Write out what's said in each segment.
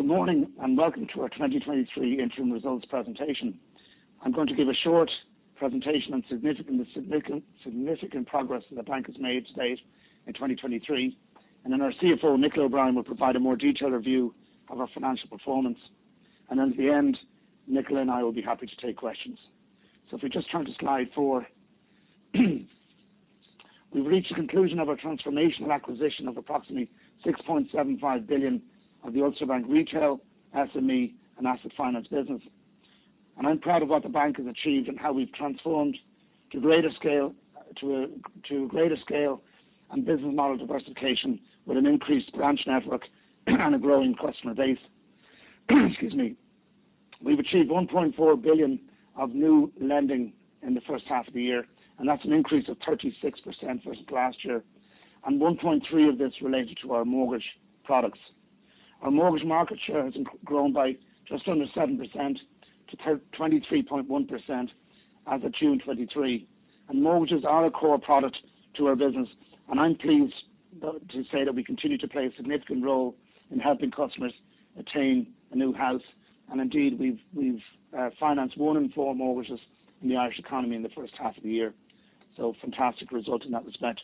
Good morning, and welcome to our 2023 interim results presentation. I'm going to give a short presentation on significant, significant progress that the bank has made to date in 2023, then our CFO, Nicola O'Brien, will provide a more detailed review of our financial performance. Then at the end, Nicola and I will be happy to take questions. If we just turn to slide 4. We've reached the conclusion of our transformational acquisition of approximately 6.75 billion of the Ulster Bank retail, SME, and asset finance business. I'm proud of what the bank has achieved and how we've transformed to greater scale, to greater scale and business model diversification, with an increased branch network and a growing customer base. Excuse me. We've achieved 1.4 billion of new lending in the first half of the year. That's an increase of 36% versus last year. 1.3 billion of this related to our mortgage products. Our mortgage market share has grown by just under 7% to 23.1% as of June 2023. Mortgages are a core product to our business. I'm pleased to say that we continue to play a significant role in helping customers attain a new house. Indeed, we've financed 1 in 4 mortgages in the Irish economy in the first half of the year, so fantastic result in that respect.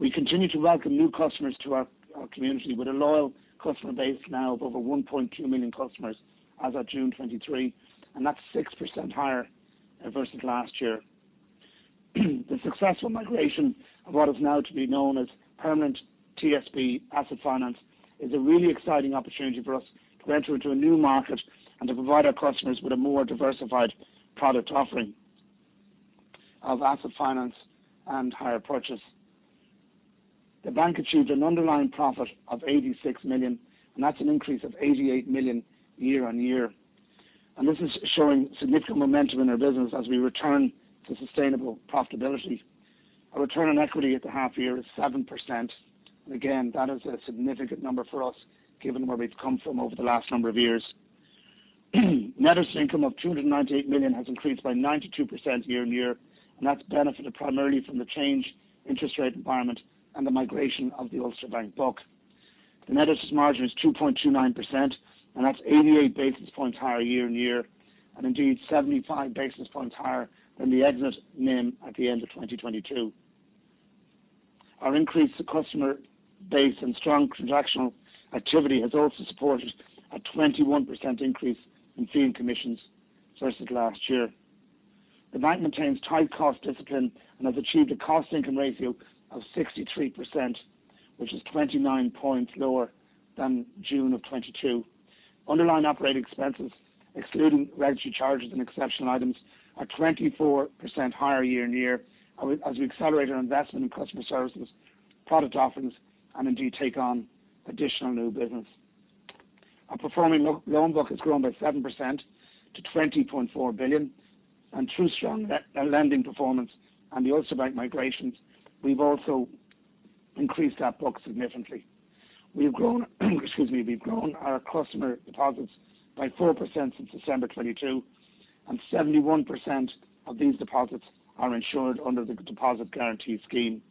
We continue to welcome new customers to our, our community, with a loyal customer base now of over 1.2 million customers as of June 2023, That's 6% higher versus last year. The successful migration of what is now to be known as Permanent TSB Asset Finance is a really exciting opportunity for us to enter into a new market and to provide our customers with a more diversified product offering of asset finance and hire purchase. The bank achieved an underlying profit of 86 million, That's an increase of 88 million year-on-year. This is showing significant momentum in our business as we return to sustainable profitability. Our return on equity at the half year is 7%. Again, that is a significant number for us, given where we've come from over the last number of years. Net interest income of 298 million has increased by 92% year-on-year. That's benefited primarily from the changed interest rate environment and the migration of the Ulster Bank book. The net interest margin is 2.29%. That's 88 basis points higher year-on-year. Indeed, 75 basis points higher than the exit NIM at the end of 2022. Our increased customer base and strong transactional activity has also supported a 21% increase in fee and commissions versus last year. The bank maintains tight cost discipline and has achieved a cost income ratio of 63%, which is 29 points lower than June of 2022. Underlying operating expenses, excluding regulatory charges and exceptional items, are 24% higher year-on-year, as we accelerate our investment in customer services, product offerings, and indeed take on additional new business. Our performing loan book has grown by 7% to 20.4 billion, and through strong lending performance and the Ulster Bank migrations, we've also increased that book significantly. We've grown, excuse me, we've grown our customer deposits by 4% since December 2022, and 71% of these deposits are insured under the Deposit Guarantee Scheme.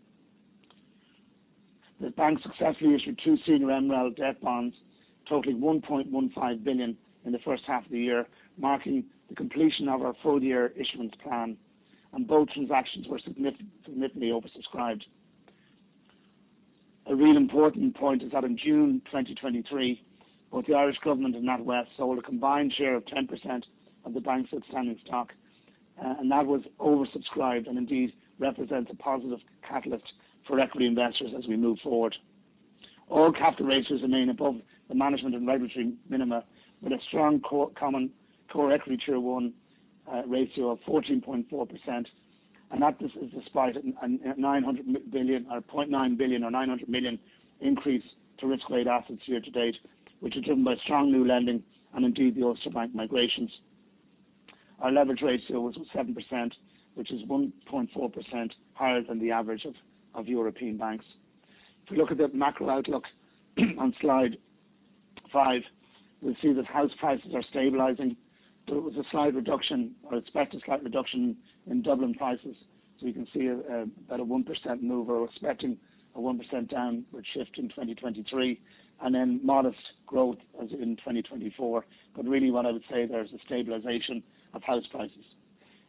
The bank successfully issued two senior MREL debt bonds, totaling 1.15 billion in the first half of the year, marking the completion of our full year issuance plan, and both transactions were significantly oversubscribed. A real important point is that in June 2023, both the Irish government and NatWest sold a combined share of 10% of the bank's outstanding stock, and that was oversubscribed and indeed represents a positive catalyst for equity investors as we move forward. All capital ratios remain above the management and regulatory minima, with a strong common core equity tier one ratio of 14.4%, and that is despite a 900 million increase to risk-weighted assets year to date, which is driven by strong new lending and indeed, the Ulster Bank migrations. Our leverage ratio was 7%, which is 1.4% higher than the average of European banks. If you look at the macro outlook on slide 5, we'll see that house prices are stabilizing. There was a slight reduction or expected slight reduction in Dublin prices, so you can see, about a 1% move, or we're expecting a 1% downward shift in 2023, and then modest growth as in 2024. Really, what I would say, there is a stabilization of house prices.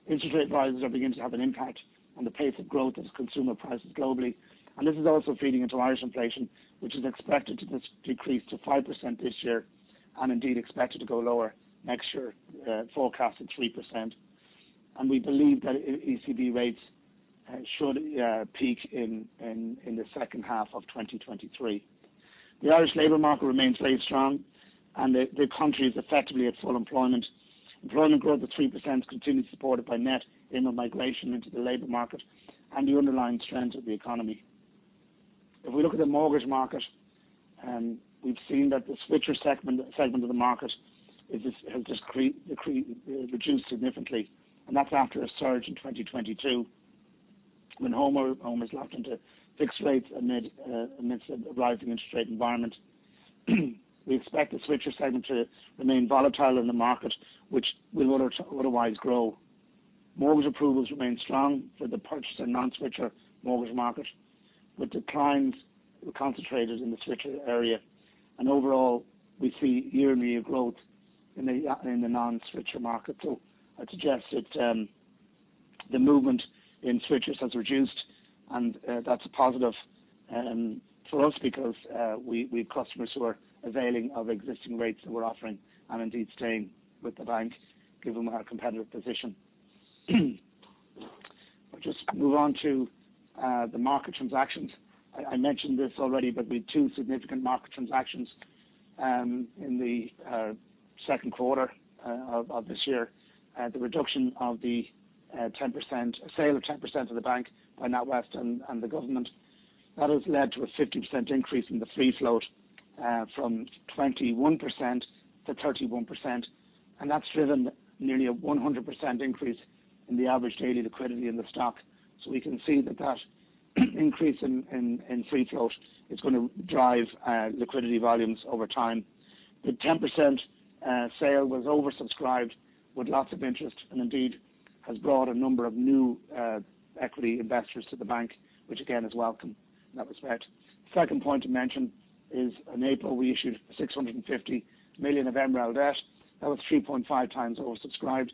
Interest rate rises are beginning to have an impact on the pace of growth of consumer prices globally, and this is also feeding into Irish inflation, which is expected to decrease to 5% this year and indeed expected to go lower next year, forecast at 3%. We believe that ECB rates should peak in, in, in the second half of 2023. The Irish labor market remains very strong, and the, the country is effectively at full employment. Employment growth of 3% is continued, supported by net inward migration into the labor market and the underlying strength of the economy. If we look at the mortgage market, we've seen that the switcher segment, segment of the market is just, has just reduced significantly, and that's after a surge in 2022, when homeowners locked into fixed rates amid amidst a rising interest rate environment. We expect the switcher segment to remain volatile in the market, which will otherwise grow. Mortgage approvals remain strong for the purchase and non-switcher mortgage market, but declines were concentrated in the switcher area. Overall, we see year-on-year growth in the non-switcher market. I'd suggest that the movement in switchers has reduced, and that's a positive for us because we- we have customers who are availing of existing rates that we're offering and indeed staying with the bank, given our competitive position. I'll just move on to the market transactions. I, I mentioned this already, we had two significant market transactions in the second quarter of this year. The reduction of the 10%-- sale of 10% of the bank by NatWest and, and the government. That has led to a 50% increase in the free float, from 21% to 31%, and that's driven nearly a 100% increase in the average daily liquidity in the stock. We can see that that increase in, in, in free float is going to drive liquidity volumes over time. The 10% sale was oversubscribed with lots of interest, and indeed, has brought a number of new equity investors to the bank, which again, is welcome in that respect. Second point to mention is in April, we issued 650 million of MREL debt. That was 3.5 times oversubscribed.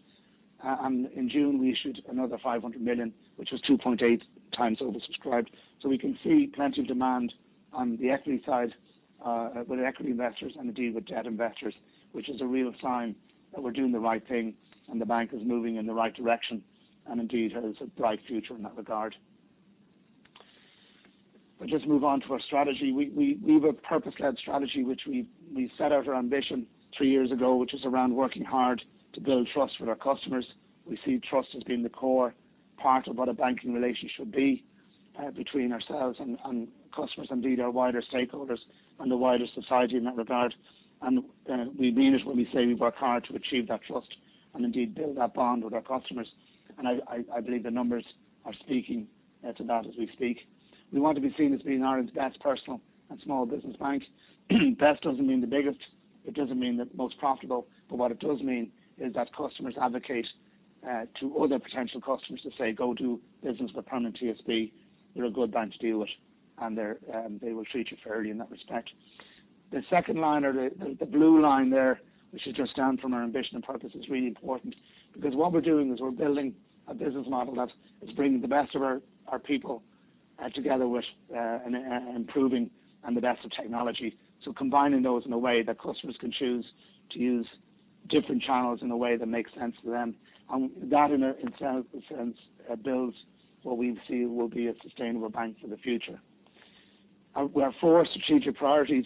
In June, we issued another 500 million, which was 2.8 times oversubscribed. We can see plenty of demand on the equity side, with equity investors and indeed with debt investors, which is a real sign that we're doing the right thing and the bank is moving in the right direction, and indeed, has a bright future in that regard. I'll just move on to our strategy. We have a purpose-led strategy, which we set out our ambition three years ago, which is around working hard to build trust with our customers. We see trust as being the core part of what a banking relationship should be between ourselves and customers, indeed, our wider stakeholders and the wider society in that regard. We mean it when we say we work hard to achieve that trust, and indeed build that bond with our customers, and I believe the numbers are speaking to that as we speak. We want to be seen as being Ireland's best personal and small business bank. Best doesn't mean the biggest, it doesn't mean the most profitable, but what it does mean is that customers advocate to other potential customers to say, "Go do business with Permanent TSB. They're a good bank to deal with, and they're, they will treat you fairly in that respect." The second line or the, the, the blue line there, which is just down from our ambition and purpose, is really important because what we're doing is we're building a business model that is bringing the best of our, our people, together with, improving and the best of technology. Combining those in a way that customers can choose to use different channels in a way that makes sense to them. That, in a, in sense, sense, builds what we see will be a sustainable bank for the future. We have 4 strategic priorities,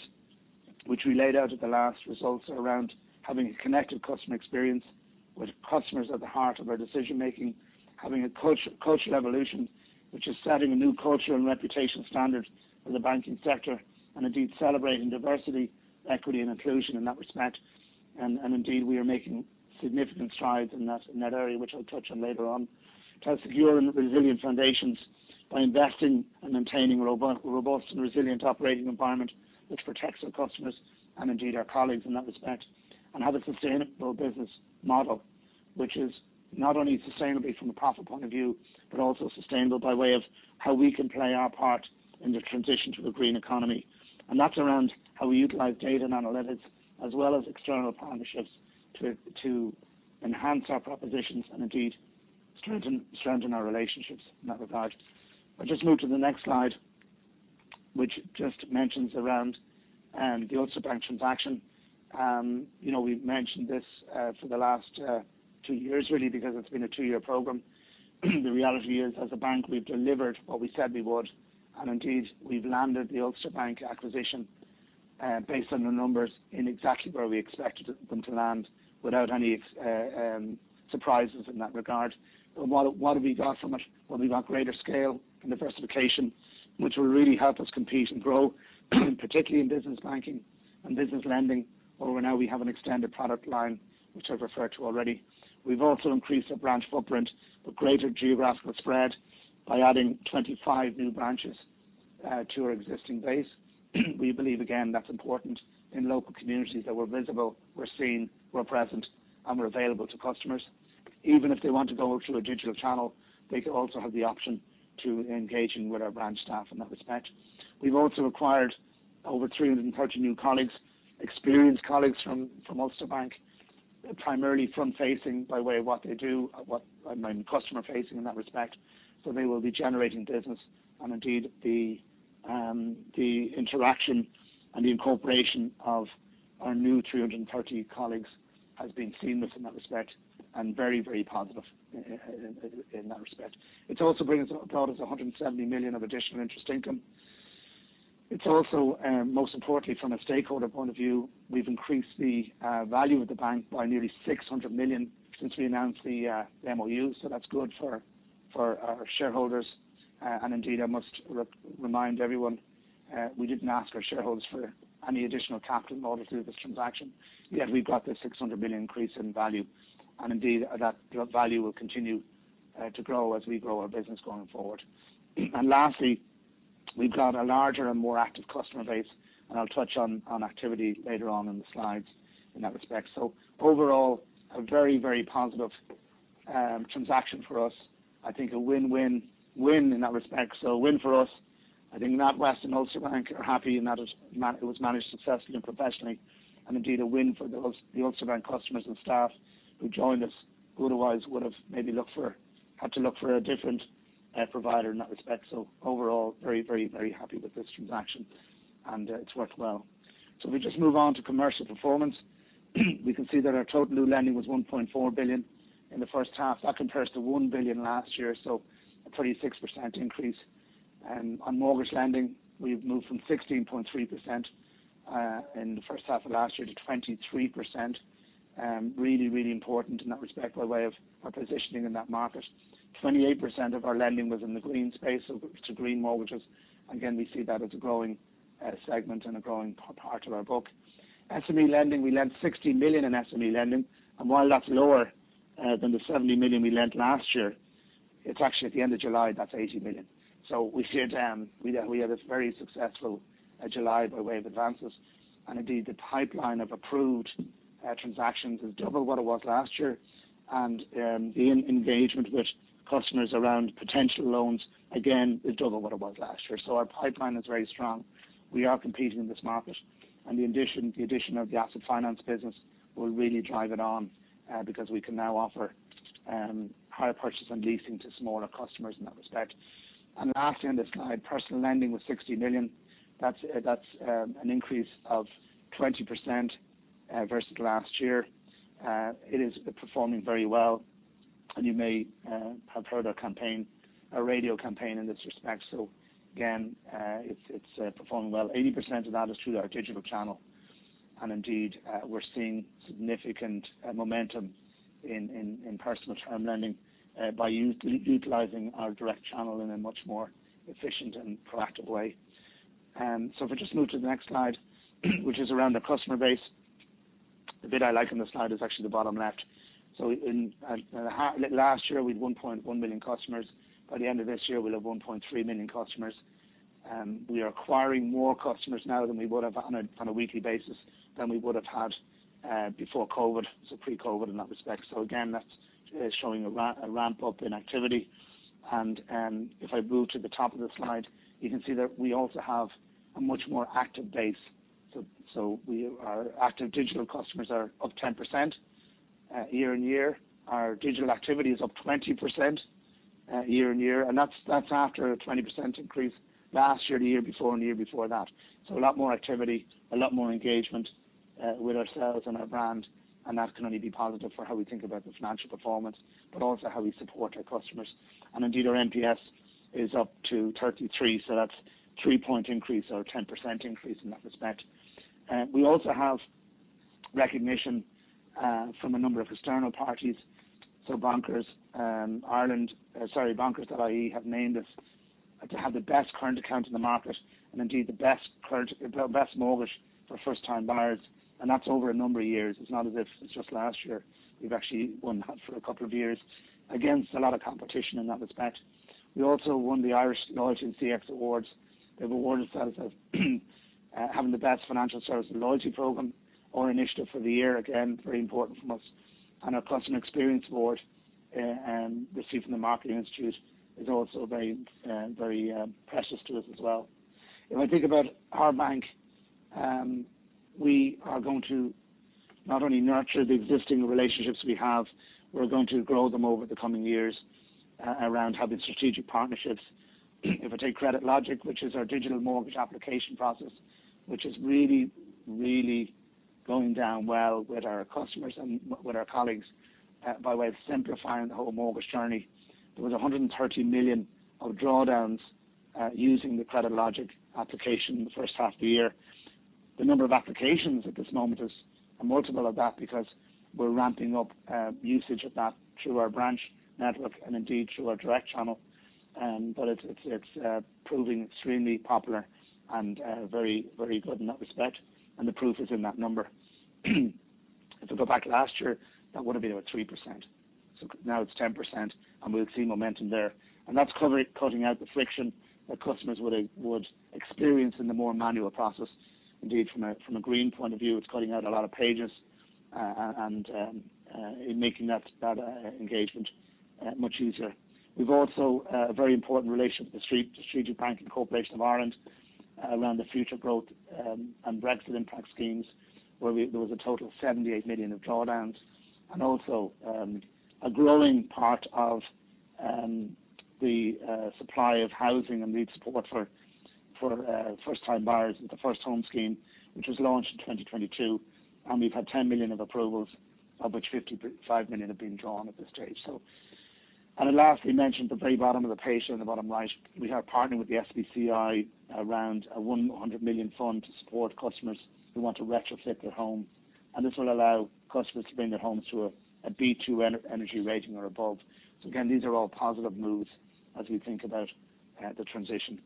which we laid out at the last results, around having a connected customer experience, with customers at the heart of our decision-making. Having a cultural evolution, which is setting a new cultural and reputational standard for the banking sector, indeed celebrating diversity, equity and inclusion in that respect. Indeed, we are making significant strides in that area, which I'll touch on later on. To have secure and resilient foundations by investing and maintaining a robust and resilient operating environment which protects our customers and indeed our colleagues in that respect. Have a sustainable business model, which is not only sustainable from a profit point of view, but also sustainable by way of how we can play our part in the transition to a green economy. That's around how we utilize data and analytics, as well as external partnerships, to enhance our propositions and indeed strengthen our relationships in that regard. I'll just move to the next slide, which just mentions around the Ulster Bank transaction. You know, we've mentioned this for the last 2 years, really, because it's been a 2-year program. The reality is, as a bank, we've delivered what we said we would, and indeed, we've landed the Ulster Bank acquisition, based on the numbers in exactly where we expected them to land, without any surprises in that regard. What, what have we got from it? Well, we've got greater scale and diversification, which will really help us compete and grow, particularly in business banking and business lending, where now we have an extended product line, which I've referred to already. We've also increased our branch footprint with greater geographical spread by adding 25 new branches to our existing base. We believe, again, that's important in local communities, that we're visible, we're seen, we're present, and we're available to customers. Even if they want to go through a digital channel, they can also have the option to engaging with our branch staff in that respect. We've also acquired over 330 new colleagues, experienced colleagues from, from Ulster Bank, primarily front-facing by way of what they do, I mean, customer-facing in that respect. They will be generating business, and indeed, the interaction and the incorporation of our new 330 colleagues has been seamless in that respect, and very, very positive in that respect. It's also bringing on board as a 170 million of additional interest income. It's also, most importantly, from a stakeholder point of view, we've increased the value of the bank by nearly 600 million since we announced the MOU. That's good for, for our shareholders. Indeed, I must remind everyone, we didn't ask our shareholders for any additional capital in order to do this transaction, yet we've got this 600 million increase in value. Indeed, that value will continue to grow as we grow our business going forward. Lastly, we've got a larger and more active customer base, and I'll touch on, on activity later on in the slides in that respect. Overall, a very, very positive transaction for us. I think a win, win, win in that respect. A win for us. I think NatWest and Ulster Bank are happy, and that is it was managed successfully and professionally, and indeed, a win for those, the Ulster Bank customers and staff who joined us, who otherwise would have maybe had to look for a different provider in that respect. Overall, very, very, very happy with this transaction, and it's worked well. If we just move on to commercial performance. We can see that our total new lending was 1.4 billion in the first half. That compares to 1 billion last year, so a 36% increase. On mortgage lending, we've moved from 16.3% in the first half of last year to 23%. Really, really important in that respect, by way of our positioning in that market. 28% of our lending was in the green space, so to green mortgages, again, we see that as a growing segment and a growing part of our book. SME lending, we lent 60 million in SME lending, and while that's lower than the 70 million we lent last year, it's actually at the end of July, that's 80 million. We see it. We, we had a very successful July by way of advances, and indeed, the pipeline of approved transactions is double what it was last year. The engagement with customers around potential loans, again, is double what it was last year. Our pipeline is very strong. We are competing in this market. The addition, the addition of the asset finance business will really drive it on because we can now offer hire purchase and leasing to smaller customers in that respect. Lastly, on this slide, personal lending was 60 million. That's an increase of 20% versus last year. It is performing very well, and you may have heard our campaign, our radio campaign in this respect. Again, it's performing well. 80% of that is through our digital channel, and indeed, we're seeing significant momentum in personal term lending by utilizing our direct channel in a much more efficient and proactive way. If we just move to the next slide, which is around the customer base. The bit I like on the slide is actually the bottom left. In last year, we had 1.1 million customers. By the end of this year, we'll have 1.3 million customers. We are acquiring more customers now than we would have on a weekly basis than we would have had before COVID, so pre-COVID in that respect. Again, that's showing a ramp-up in activity. If I move to the top of the slide, you can see that we also have a much more active base. Our active digital customers are up 10% year-on-year. Our digital activity is up 20% year-on-year, and that's, that's after a 20% increase last year, the year before, and the year before that. A lot more activity, a lot more engagement with ourselves and our brand, and that can only be positive for how we think about the financial performance, but also how we support our customers. Indeed, our NPS is up to 33, so that's a 3-point increase or a 10% increase in that respect. We also have recognition from a number of external parties. bonkers.ie have named us to have the best current account in the market, and indeed, the best mortgage for first-time buyers, and that's over a number of years. It's not as if it's just last year. We've actually won that for a couple of years against a lot of competition in that respect. We also won the Irish Loyalty & CX Awards. They've awarded ourselves as having the best financial services loyalty program or initiative for the year. Again, very important for us. Our Customer Experience Award received from the Marketing Institute of Ireland is also very, very precious to us as well. If I think about our bank, we are going to not only nurture the existing relationships we have, we're going to grow them over the coming years around having strategic partnerships. If I take CreditLogic, which is our digital mortgage application process, which is really, really going down well with our customers and with our colleagues, by way of simplifying the whole mortgage journey. There was 130 million of drawdowns using the CreditLogic application in the first half of the year. The number of applications at this moment is a multiple of that because we're ramping up usage of that through our branch network and indeed through our direct channel. But it's, it's, it's proving extremely popular and very, very good in that respect, and the proof is in that number. If we go back last year, that would have been about 3%. Now it's 10%, and we'll see momentum there. That's cutting, cutting out the friction that customers would experience in the more manual process. Indeed, from a, from a green point of view, it's cutting out a lot of pages and in making that, that engagement much easier. We've also a very important relationship with the Strategic Banking Corporation of Ireland around the future growth and Brexit Impact schemes, where there was a total of 78 million of drawdowns. Also, a growing part of the supply of housing and need support for first-time buyers with the First Home Scheme, which was launched in 2022, and we've had 10 million of approvals, of which 55 million have been drawn at this stage, so. Lastly, mention at the very bottom of the page, in the bottom right, we are partnering with the SBCI around a 100 million fund to support customers who want to retrofit their home, and this will allow customers to bring their homes to a B2 energy rating or above. Again, these are all positive moves as we think about the transition.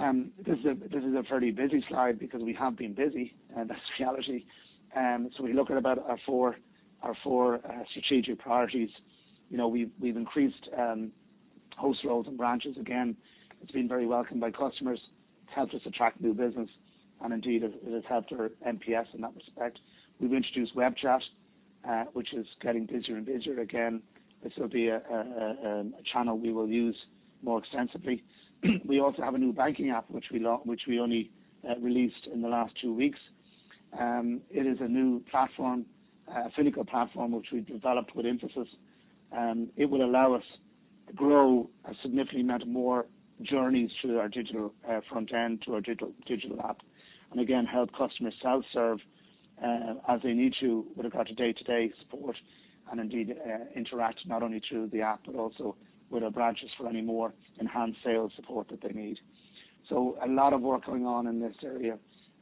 This is a fairly busy slide because we have been busy, and that's the reality. We look at about our four, our four strategic priorities.... You know, we've, we've increased host roles and branches again. It's been very welcomed by customers. It's helped us attract new business, and indeed, it has helped our NPS in that respect. We've introduced web chat, which is getting busier and busier again. This will be a channel we will use more extensively. We also have a new banking app, which we only released in the last 2 weeks. It is a new platform, Finacle platform, which we developed with Infosys, and it will allow us to grow a significant amount of more journeys through our digital front end, to our digital, digital app. Again, help customers self-serve as they need to with regard to day-to-day support, Indeed, interact not only through the app, but also with our branches for any more enhanced sales support that they need. A lot of work going on in this area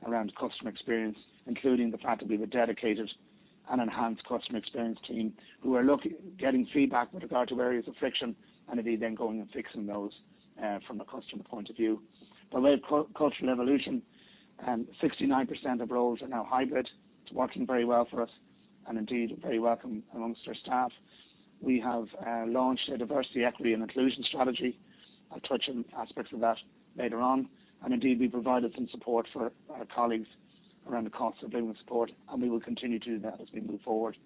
around customer experience, including the fact that we have a dedicated and enhanced customer experience team who are getting feedback with regard to areas of friction, Indeed, then going and fixing those from a customer point of view. By way of cultural evolution, 69% of roles are now hybrid. It's working very well for us and indeed very welcome amongst our staff. We have launched a diversity, equity, and inclusion strategy. I'll touch on aspects of that later on. Indeed, we've provided some support for our colleagues around the cost of living support, and we will continue to do that as we move forward,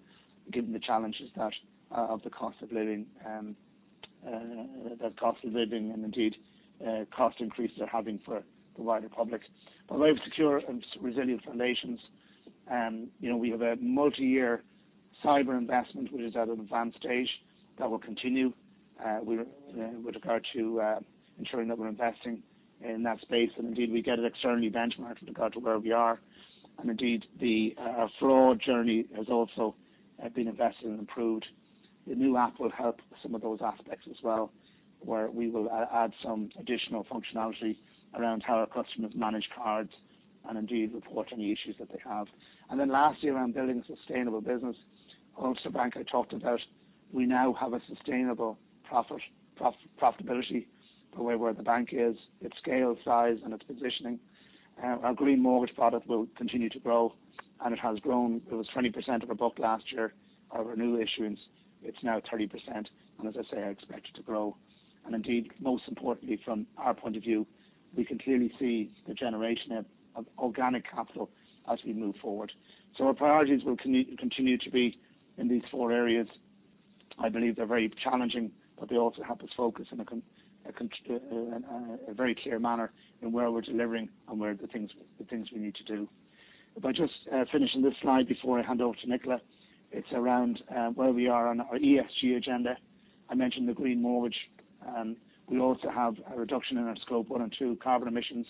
given the challenges that of the cost of living, the cost of living and indeed, cost increases are having for the wider public. By way of secure and resilient foundations, you know, we have a multiyear cyber investment, which is at an advanced stage, that will continue with regard to ensuring that we're investing in that space. Indeed, we get it externally benchmarked with regard to where we are. Indeed, the fraud journey has also been invested and improved. The new app will help some of those aspects as well, where we will add some additional functionality around how our customers manage cards and indeed report any issues that they have. Lastly, around building a sustainable business, Ulster Bank I talked about, we now have a sustainable profit, profitability the way where the bank is, its scale, size, and its positioning. Our green mortgage product will continue to grow, and it has grown. It was 20% of our book last year. Our renewal issuance, it's now 30%, and as I say, I expect it to grow. Indeed, most importantly, from our point of view, we can clearly see the generation of, of organic capital as we move forward. Our priorities will continue to be in these four areas. I believe they're very challenging, but they also help us focus in a very clear manner in where we're delivering and where the things, the things we need to do. If I just finish on this slide before I hand over to Nicola, it's around where we are on our ESG agenda. I mentioned the green mortgage. We also have a reduction in our Scope 1 and 2 carbon emissions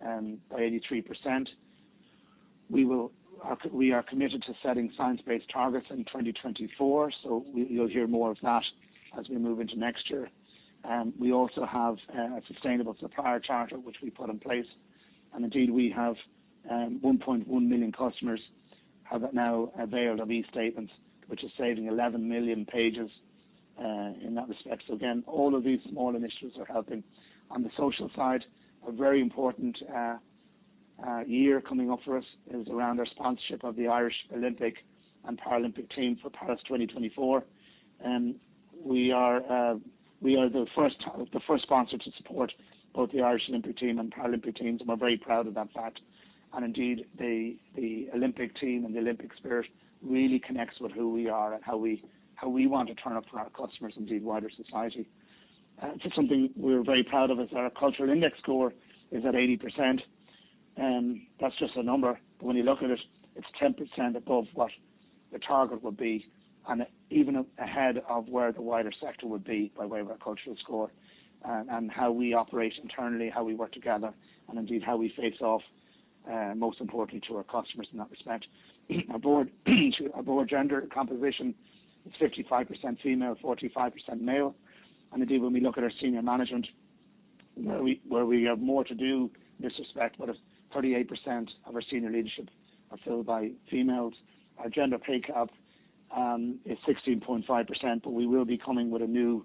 by 83%. We will... We are committed to setting Science-Based Targets in 2024, so you'll hear more of that as we move into next year. We also have a sustainable supplier charter, which we put in place. Indeed, we have 1.1 million customers have now availed of estatements, which is saving 11 million pages in that respect. Again, all of these small initiatives are helping. On the social side, a very important year coming up for us is around our sponsorship of the Irish Olympic and Paralympic team for Paris 2024. We are, we are the first, the first sponsor to support both the Irish Olympic team and Paralympic teams, and we're very proud about that. Indeed, the, the Olympic team and the Olympic spirit really connects with who we are and how we, how we want to turn up for our customers and indeed, wider society. Just something we're very proud of is our cultural index score is at 80%, that's just a number, but when you look at it, it's 10% above what the target would be, and even ahead of where the wider sector would be by way of our cultural score. How we operate internally, how we work together, and indeed how we face off, most importantly to our customers in that respect. Our board, our board gender composition is 55% female, 45% male. Indeed, when we look at our senior management, where we, where we have more to do in this respect, but 38% of our senior leadership are filled by females. Our gender pay gap is 16.5%, but we will be coming with a new,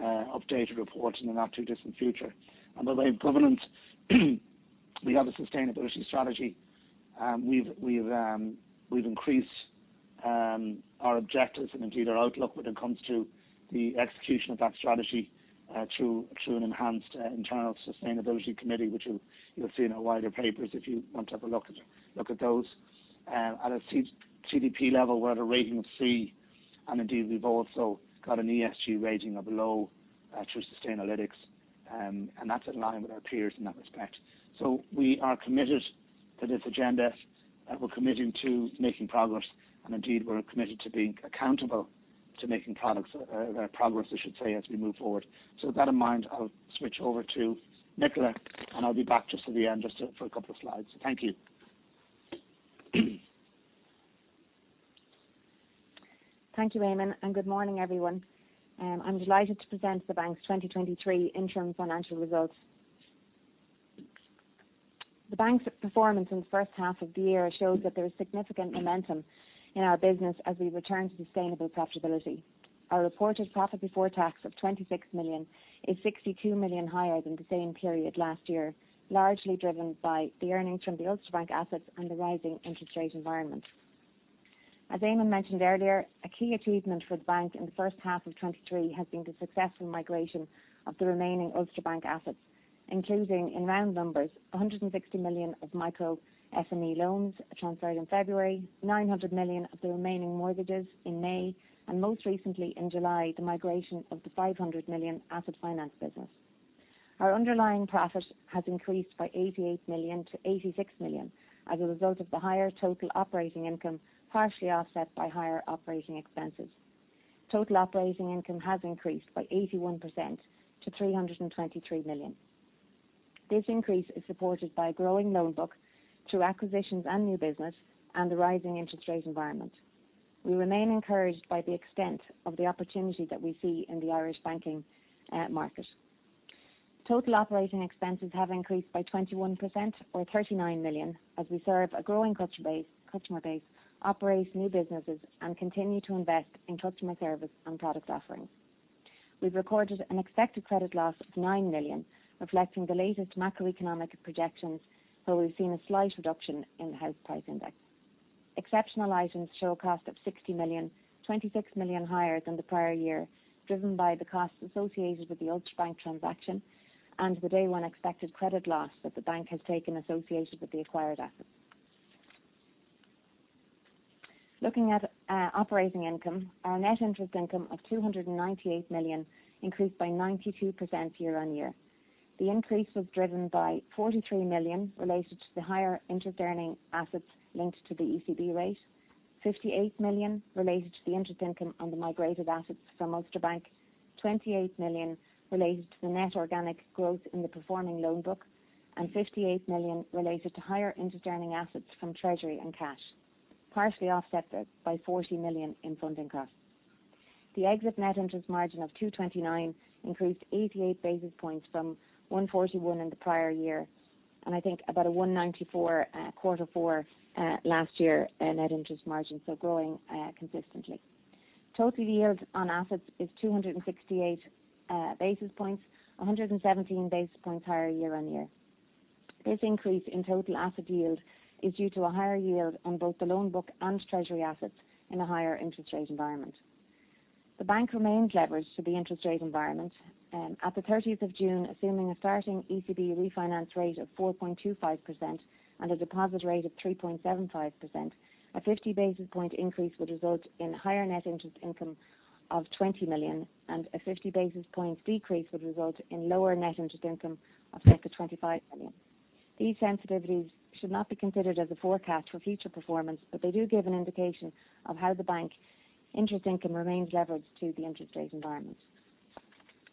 updated report in the not-too-distant future. By way of governance, we have a sustainability strategy, we've, we've increased our objectives and indeed our outlook when it comes to the execution of that strategy, through, through an enhanced internal sustainability committee, which you'll, you'll see in our wider papers if you want to have a look at, look at those. At a CDP level, we're at a rating of C, and indeed, we've also got an ESG rating of low through Sustainalytics, and that's in line with our peers in that respect. We are committed to this agenda, and we're committed to making progress, and indeed, we're committed to being accountable to making products, progress, I should say, as we move forward. With that in mind, I'll switch over to Nicola, and I'll be back just at the end, just for a couple of slides. Thank you. Thank you, Eamonn, and good morning, everyone. I'm delighted to present the bank's 2023 interim financial results. The bank's performance in the first half of the year shows that there is significant momentum in our business as we return to sustainable profitability. Our reported profit before tax of 26 million is 62 million higher than the same period last year, largely driven by the earnings from the Ulster Bank assets and the rising interest rate environment.... As Eamonn mentioned earlier, a key achievement for the bank in the first half of 2023 has been the successful migration of the remaining Ulster Bank assets, including, in round numbers, 160 million of micro SME loans transferred in February, 900 million of the remaining mortgages in May, and most recently, in July, the migration of the 500 million asset finance business. Our underlying profit has increased by 88 million to 86 million as a result of the higher total operating income, partially offset by higher operating expenses. Total operating income has increased by 81% to 323 million. This increase is supported by a growing loan book through acquisitions and new business and the rising interest rate environment. We remain encouraged by the extent of the opportunity that we see in the Irish banking market. Total operating expenses have increased by 21% or 39 million, as we serve a growing customer base, operates new businesses, and continue to invest in customer service and product offerings. We've recorded an expected credit loss of 9 million, reflecting the latest macroeconomic projections, though we've seen a slight reduction in the house price index. Exceptional items show a cost of 60 million, 26 million higher than the prior year, driven by the costs associated with the Ulster Bank transaction and the day one expected credit loss that the bank has taken associated with the acquired assets. Looking at operating income, our net interest income of 298 million increased by 92% year-on-year. The increase was driven by 43 million related to the higher interest earning assets linked to the ECB rate. 58 million related to the interest income on the migrated assets from Ulster Bank. 28 million related to the net organic growth in the performing loan book, 58 million related to higher interest earning assets from Treasury and cash, partially offset by 40 million in funding costs. The exit net interest margin of 229 increased 88 basis points from 141 in the prior year, and I think about a 194, quarter four, last year, net interest margin, so growing consistently. Total yield on assets is 268 basis points, 117 basis points higher year-on-year. This increase in total asset yield is due to a higher yield on both the loan book and treasury assets in a higher interest rate environment. The bank remains leveraged to the interest rate environment. At the 30th of June, assuming a starting ECB refinance rate of 4.25% and a deposit rate of 3.75%, a 50 basis point increase would result in higher net interest income of 20 million, and a 50 basis points decrease would result in lower net interest income of 25 million. These sensitivities should not be considered as a forecast for future performance, but they do give an indication of how the bank interest income remains leveraged to the interest rate environment.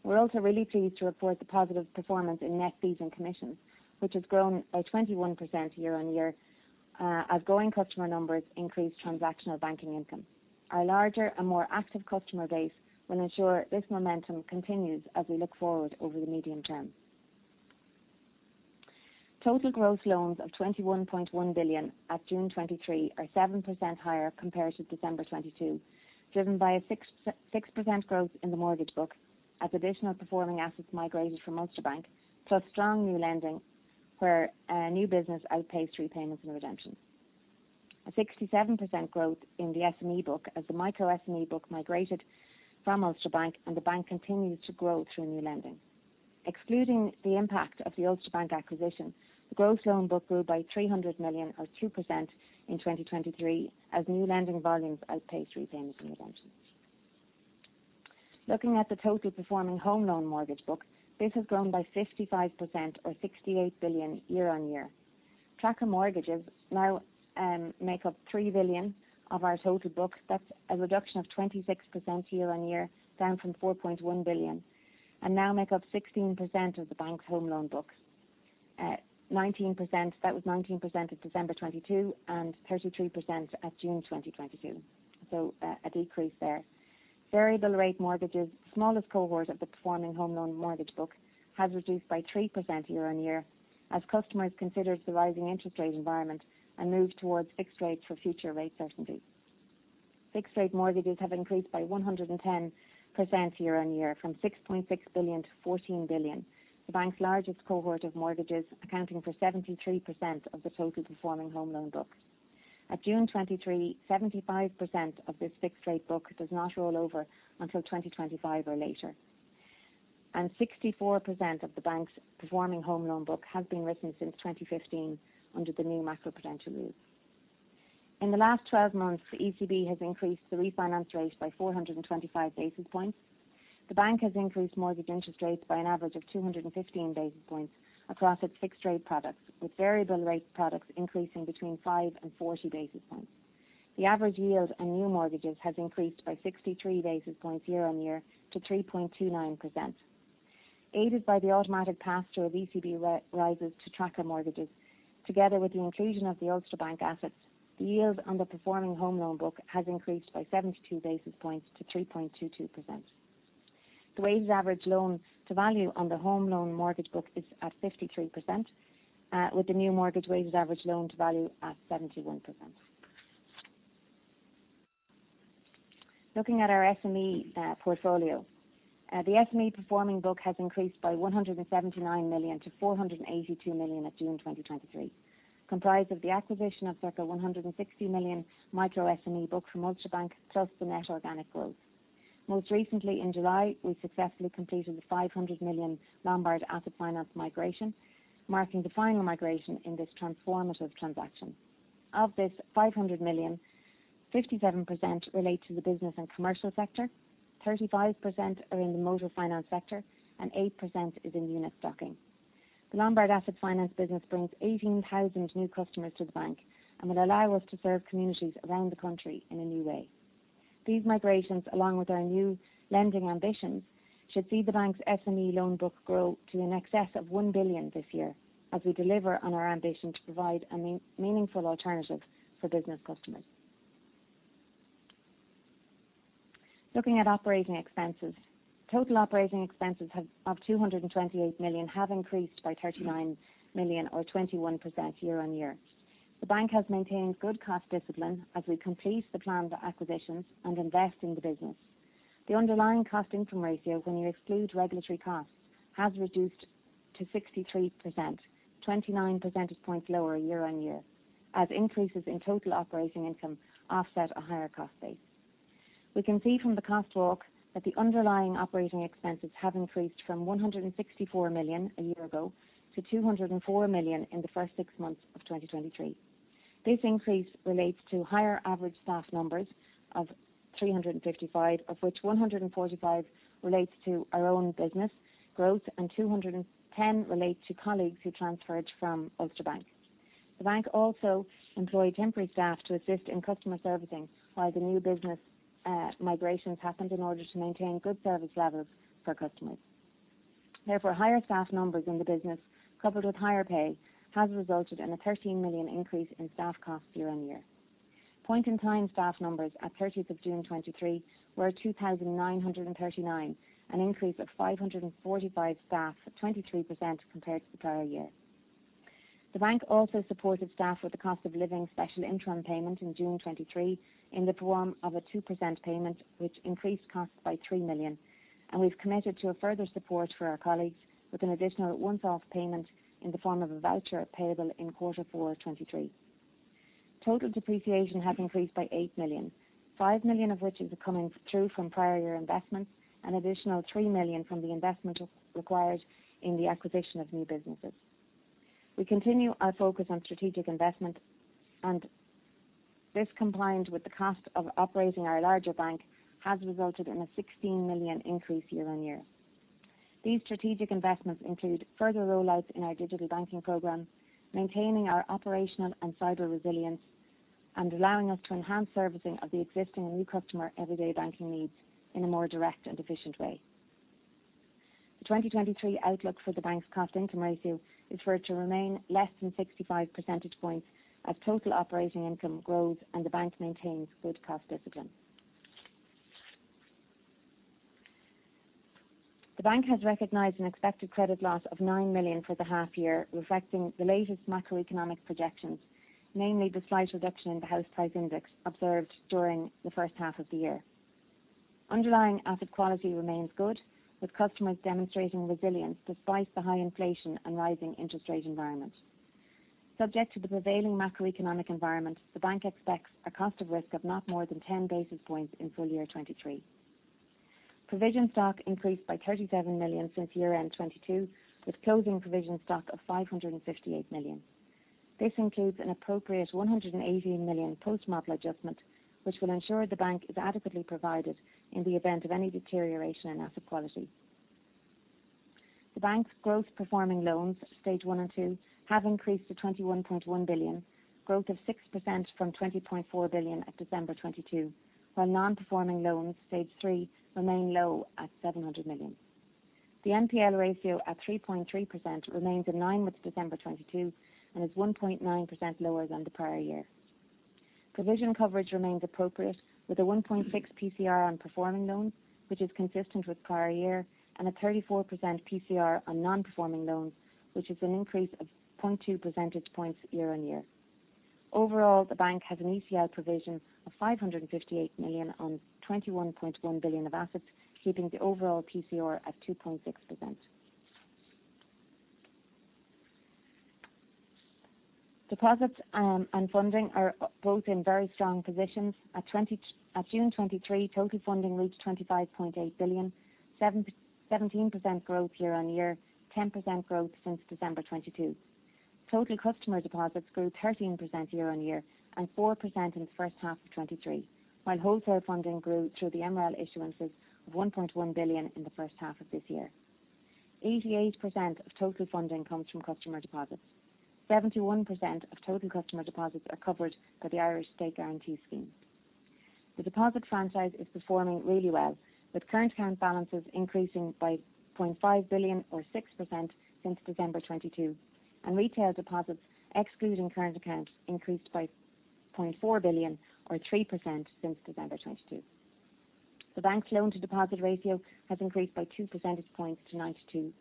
We're also really pleased to report the positive performance in net fees and commissions, which has grown by 21% year-on-year, as growing customer numbers increase transactional banking income. Our larger and more active customer base will ensure this momentum continues as we look forward over the medium term. Total gross loans of 21.1 billion at June 2023 are 7% higher compared to December 2022, driven by a 6% growth in the mortgage book as additional performing assets migrated from Ulster Bank, plus strong new lending, where new business outpaced repayments and redemptions. A 67% growth in the SME book as the micro SME book migrated from Ulster Bank, the bank continues to grow through new lending. Excluding the impact of the Ulster Bank acquisition, the gross loan book grew by 300 million, or 2% in 2023, as new lending volumes outpaced repayments and redemptions. Looking at the total performing home loan mortgage book, this has grown by 55% or 68 billion year-over-year. Tracker mortgages now make up 3 billion of our total books. That's a reduction of 26% year-on-year, down from 4.1 billion, and now make up 16% of the bank's home loan books. That was 19% at December 2022 and 33% at June 2022. A decrease there. Variable rate mortgages, smallest cohort of the performing home loan mortgage book, has reduced by 3% year-on-year as customers consider the rising interest rate environment and move towards fixed rates for future rate certainty. Fixed rate mortgages have increased by 110% year-on-year, from 6.6 billion to 14 billion. The bank's largest cohort of mortgages, accounting for 73% of the total performing home loan book. At June 2023, 75% of this fixed-rate book does not roll over until 2025 or later. Sixty-four percent of the bank's performing home loan book has been written since 2015 under the new macro-prudential rule. In the last 12 months, the ECB has increased the refinance rate by 425 basis points. The bank has increased mortgage interest rates by an average of 215 basis points across its fixed-rate products, with variable rate products increasing between 5 and 40 basis points. The average yield on new mortgages has increased by 63 basis points year-on-year to 3.29%. Aided by the automatic pass through of ECB rises to tracker mortgages, together with the inclusion of the Ulster Bank assets, the yield on the performing home loan book has increased by 72 basis points to 3.22%. The weighted average loan to value on the home loan mortgage book is at 53%, with the new mortgage weighted average loan to value at 71%. Looking at our SME portfolio. The SME performing book has increased by 179 million to 482 million at June 2023, comprised of the acquisition of circa 160 million micro SME book from Ulster Bank, plus the net organic growth. Most recently, in July, we successfully completed the 500 million Lombard asset finance migration, marking the final migration in this transformative transaction. Of this 500 million, 57% relate to the business and commercial sector, 35% are in the motor finance sector, and 8% is in unit stocking. The Lombard asset finance business brings 18,000 new customers to the bank and will allow us to serve communities around the country in a new way. These migrations, along with our new lending ambitions, should see the bank's SME loan book grow to in excess of 1 billion this year, as we deliver on our ambition to provide a meaningful alternative for business customers. Looking at operating expenses. Total operating expenses have, of 228 million, have increased by 39 million or 21% year-on-year. The bank has maintained good cost discipline as we complete the planned acquisitions and invest in the business. The underlying cost income ratio, when you exclude regulatory costs, has reduced to 63%, 29 percentage points lower year-on-year, as increases in total operating income offset a higher cost base. We can see from the cost walk that the underlying operating expenses have increased from 164 million a year ago to 204 million in the first six months of 2023. This increase relates to higher average staff numbers of 355, of which 145 relates to our own business growth and 210 relates to colleagues who transferred from Ulster Bank. The bank also employed temporary staff to assist in customer servicing while the new business migrations happened in order to maintain good service levels for customers. Therefore, higher staff numbers in the business, coupled with higher pay, has resulted in a 13 million increase in staff costs year-on-year. Point-in-time staff numbers at 30th of June 2023 were 2,939, an increase of 545 staff, 23% compared to the prior year. The bank also supported staff with the cost of living special interim payment in June 2023, in the form of a 2% payment, which increased costs by 3 million. We've committed to a further support for our colleagues with an additional one-off payment in the form of a voucher payable in quarter four 2023. Total depreciation has increased by 8 million, 5 million of which is coming through from prior year investments, an additional 3 million from the investment required in the acquisition of new businesses. We continue our focus on strategic investment, and this compliance with the cost of operating our larger bank has resulted in a 16 million increase year-on-year. These strategic investments include further rollouts in our digital banking program, maintaining our operational and cyber resilience, and allowing us to enhance servicing of the existing and new customer everyday banking needs in a more direct and efficient way. The 2023 outlook for the bank's cost-income ratio is for it to remain less than 65 percentage points as total operating income grows and the bank maintains good cost discipline. The bank has recognized an expected credit loss of 9 million for the half year, reflecting the latest macroeconomic projections, namely the slight reduction in the house price index observed during the first half of the year. Underlying asset quality remains good, with customers demonstrating resilience despite the high inflation and rising interest rate environment. Subject to the prevailing macroeconomic environment, the bank expects a cost of risk of not more than 10 basis points in full year 2023. Provision stock increased by 37 million since year-end 2022, with closing provision stock of 558 million. This includes an appropriate 180 million post-model adjustment, which will ensure the bank is adequately provided in the event of any deterioration in asset quality. The bank's gross performing loans, Stage 1 and 2, have increased to 21.1 billion, growth of 6% from 20.4 billion at December 2022, while non-performing loans, Stage 3, remain low at 700 million. The NPL ratio, at 3.3%, remains in line with December 2022 and is 1.9% lower than the prior year. Provision coverage remains appropriate, with a 1.6 PCR on performing loans, which is consistent with prior year, and a 34% PCR on non-performing loans, which is an increase of 0.2 percentage points year-on-year. Overall, the bank has an ECL provision of 558 million on 21.1 billion of assets, keeping the overall PCR at 2.6%. Deposits and funding are both in very strong positions. At June 2023, total funding reached 25.8 billion, 17% growth year-on-year, 10% growth since December 2022. Total customer deposits grew 13% year on year and 4% in the first half of 2023, while wholesale funding grew through the MREL issuances of 1.1 billion in the first half of this year. 88% of total funding comes from customer deposits. 71% of total customer deposits are covered by the Irish State Guarantee Scheme. The deposit franchise is performing really well, with current account balances increasing by 0.5 billion or 6% since December 2022. Retail deposits, excluding current accounts, increased by 0.4 billion or 3% since December 2022. The bank's loan-to-deposit ratio has increased by 2 percentage points to 92%.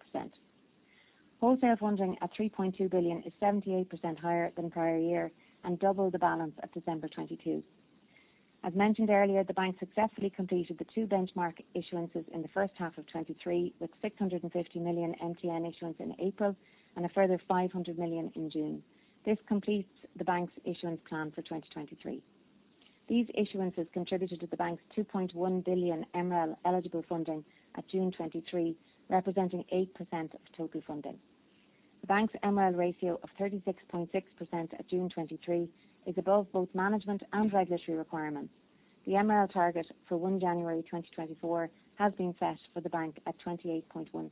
Wholesale funding at 3.2 billion is 78% higher than prior year, double the balance at December 2022. As mentioned earlier, the bank successfully completed the two benchmark issuances in the first half of 2023, with 650 million MTN issuance in April and a further 500 million in June. This completes the bank's issuance plan for 2023. These issuances contributed to the bank's 2.1 billion MREL eligible funding at June 2023, representing 8% of total funding. The bank's MREL ratio of 36.6% at June 2023 is above both management and regulatory requirements. The MREL target for 1 January 2024 has been set for the bank at 28.15%.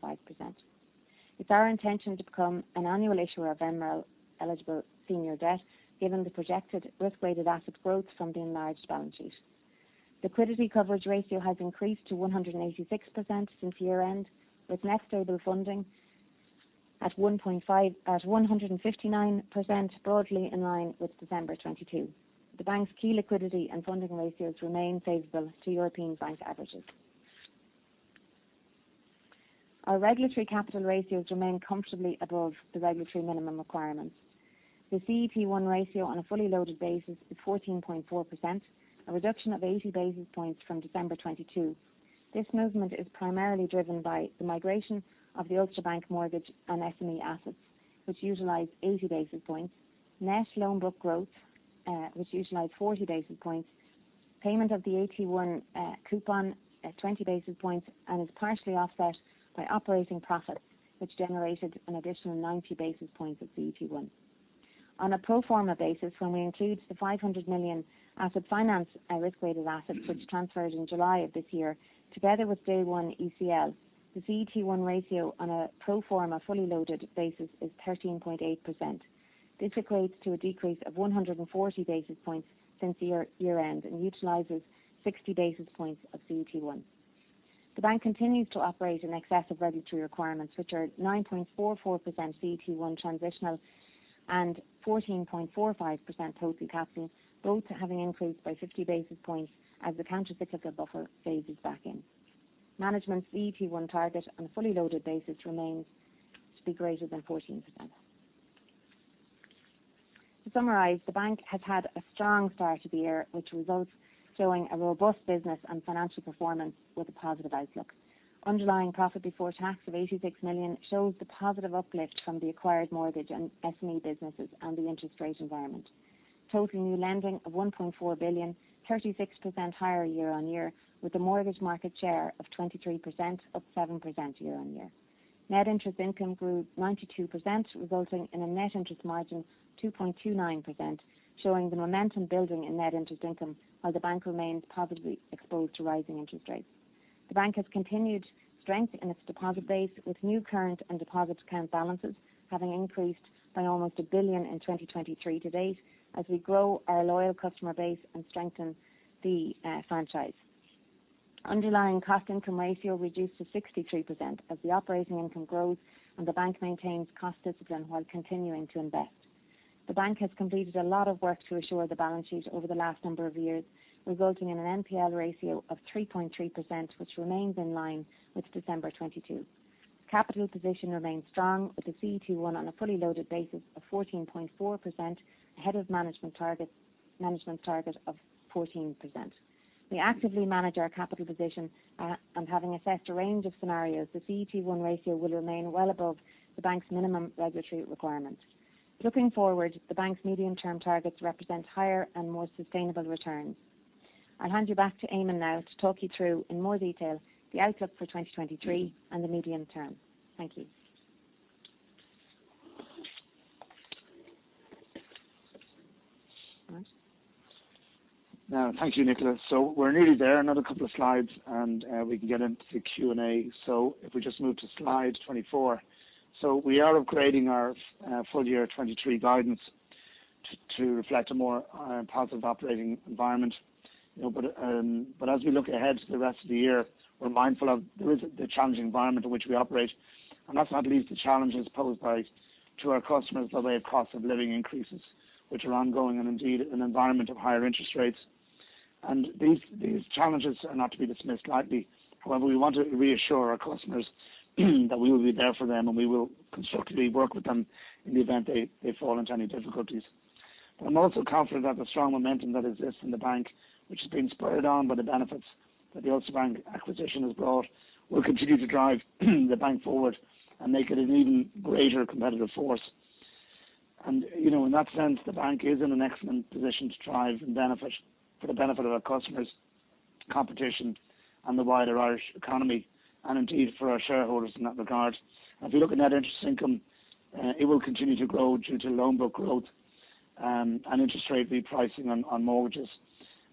It's our intention to become an annual issuer of MREL eligible senior debt, given the projected risk-weighted asset growth from the enlarged balance sheet. Liquidity Coverage Ratio has increased to 186% since year-end, with Net Stable Funding at 159%, broadly in line with December 2022. The bank's key liquidity and funding ratios remain favorable to European bank averages. Our regulatory capital ratios remain comfortably above the regulatory minimum requirements. The CET1 ratio on a fully loaded basis is 14.4%, a reduction of 80 basis points from December 2022. This movement is primarily driven by the migration of the Ulster Bank mortgage and SME assets, which utilized 80 basis points. Net loan book growth, which utilized 40 basis points, payment of the AT1 coupon at 20 basis points, is partially offset by operating profits, which generated an additional 90 basis points of CET1. On a pro forma basis, when we include the 500 million asset finance and risk-weighted assets, which transferred in July of this year, together with day one ECL, the CET1 ratio on a pro forma fully loaded basis is 13.8%. This equates to a decrease of 140 basis points since year-end and utilizes 60 basis points of CET1. The bank continues to operate in excess of regulatory requirements, which are 9.44% CET1 transitional and 14.45% total capital, both having increased by 50 basis points as the countercyclical buffer phases back in. Management's CET1 target on a fully loaded basis remains to be greater than 14%. To summarize, the bank has had a strong start to the year, which results showing a robust business and financial performance with a positive outlook. Underlying profit before tax of 86 million shows the positive uplift from the acquired mortgage and SME businesses and the interest rate environment. Total new lending of 1.4 billion, 36% higher year-on-year, with a mortgage market share of 23%, up 7% year-on-year. Net interest income grew 92%, resulting in a net interest margin of 2.29%, showing the momentum building in net interest income while the bank remains positively exposed to rising interest rates. The bank has continued strength in its deposit base, with new current and deposit account balances having increased by almost 1 billion in 2023 to date as we grow our loyal customer base and strengthen the franchise. Underlying cost income ratio reduced to 63% as the operating income grows and the bank maintains cost discipline while continuing to invest. The bank has completed a lot of work to assure the balance sheet over the last number of years, resulting in an NPL ratio of 3.3%, which remains in line with December 2022. Capital position remains strong, with the CET1 on a fully loaded basis of 14.4% ahead of management targets, management's target of 14%. We actively manage our capital position, and having assessed a range of scenarios, the CET1 ratio will remain well above the bank's minimum regulatory requirements. Looking forward, the bank's medium-term targets represent higher and more sustainable returns. I'll hand you back to Eamonn now to talk you through, in more detail, the outlook for 2023 and the medium term. Thank you. Thank you, Nicola. We're nearly there. Another couple of slides and we can get into the Q&A. If we just move to slide 24. We are upgrading our full year 2023 guidance to reflect a more positive operating environment. You know, but as we look ahead to the rest of the year, we're mindful of there is the challenging environment in which we operate, and that's not least the challenges posed to our customers by the cost of living increases, which are ongoing and indeed an environment of higher interest rates. These, these challenges are not to be dismissed lightly. However, we want to reassure our customers, that we will be there for them, and we will constructively work with them in the event they, they fall into any difficulties. I'm also confident that the strong momentum that exists in the bank, which has been spurred on by the benefits that the Ulster Bank acquisition has brought, will continue to drive the bank forward and make it an even greater competitive force. You know, in that sense, the bank is in an excellent position to thrive and benefit for the benefit of our customers, competition, and the wider Irish economy, and indeed for our shareholders in that regard. If you look at net interest income, it will continue to grow due to loan book growth, and interest rate repricing on, on mortgages,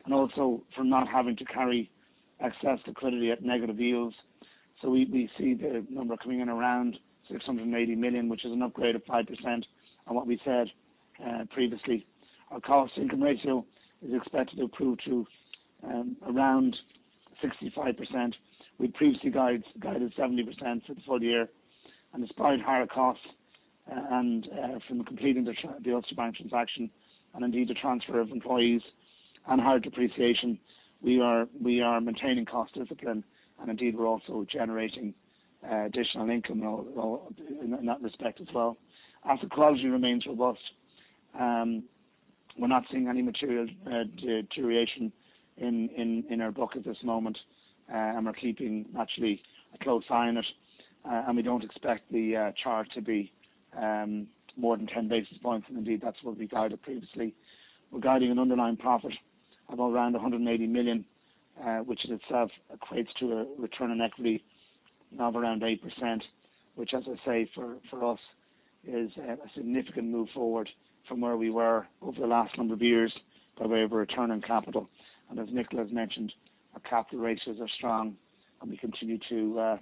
and also for not having to carry excess liquidity at negative yields. We, we see the number coming in around 680 million, which is an upgrade of 5% on what we said previously. Our cost income ratio is expected to improve to around 65%. We previously guide, guided 70% for the full year, and despite higher costs from completing the Ulster Bank transaction, and indeed the transfer of employees and hard depreciation, we are, we are maintaining cost discipline, and indeed, we're also generating additional income in that respect as well. Asset quality remains robust. We're not seeing any material deterioration in our book at this moment. We're keeping actually a close eye on it. We don't expect the charge to be more than 10 basis points, and indeed, that's what we guided previously. We're guiding an underlying profit of around 180 million, which in itself equates to a return on equity of around 8%, which, as I say, for, for us, is a significant move forward from where we were over the last number of years, by way of a return on capital. As Nicola has mentioned, our capital ratios are strong, and we continue to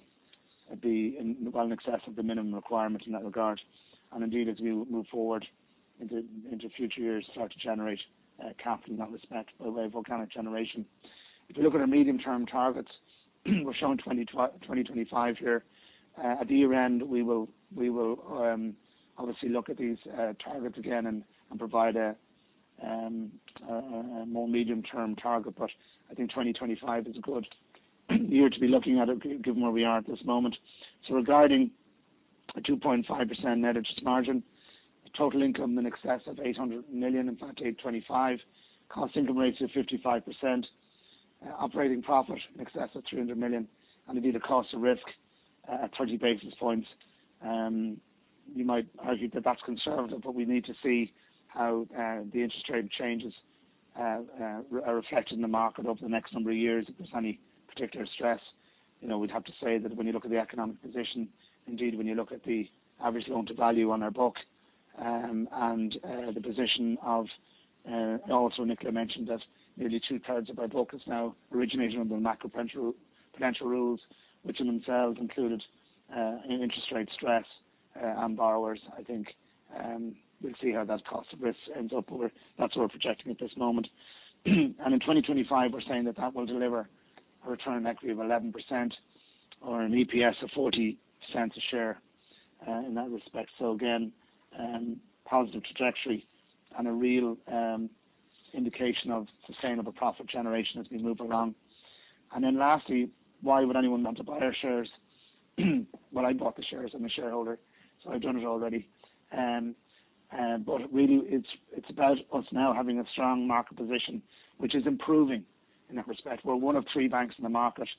be in well in excess of the minimum requirement in that regard. Indeed, as we move forward into, into future years, start to generate capital in that respect, by way of organic generation. If you look at our medium-term targets, we're showing 2025 here. At year-end, we will, we will, obviously look at these targets again and, and provide a more medium-term target. I think 2025 is a good year to be looking at it, given where we are at this moment. Regarding a 2.5% net interest margin, total income in excess of 800 million, in fact, 825 million. Cost income ratio, 55%. Operating profit, in excess of 300 million, and indeed, a cost of risk at 30 basis points. You might argue that that's conservative, but we need to see how the interest rate changes are reflected in the market over the next number of years. If there's any particular stress, you know, we'd have to say that when you look at the economic position, indeed, when you look at the average loan-to-value on our book, and the position of, uh... Nicola mentioned that nearly two-thirds of our book is now originating under the macro-potential, potential rules, which in themselves included an interest rate stress on borrowers. I think we'll see how that cost of risk ends up, or that's what we're projecting at this moment. In 2025, we're saying that that will deliver a return on equity of 11% or an EPS of 0.40 a share in that respect. Again, positive trajectory and a real indication of sustainable profit generation as we move along. Lastly, why would anyone want to buy our shares? I bought the shares. I'm a shareholder, so I've done it already. But really, it's, it's about us now having a strong market position, which is improving in that respect. We're 1 of 3 banks in the market.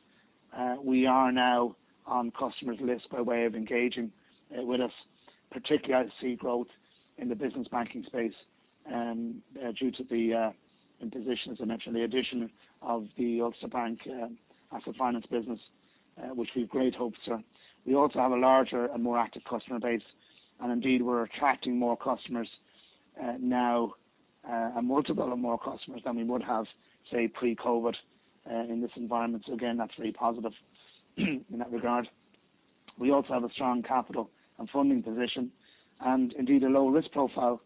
We are now on customers' lists by way of engaging with us, particularly I see growth in the business banking space, due to the in position, as I mentioned, the addition of the Ulster Bank asset finance business, which we have great hopes for. We also have a larger and more active customer base, and indeed, we're attracting more customers now, a multiple of more customers than we would have, say, pre-COVID, in this environment. Again, that's really positive in that regard. We also have a strong capital and funding position and indeed, a low risk profile,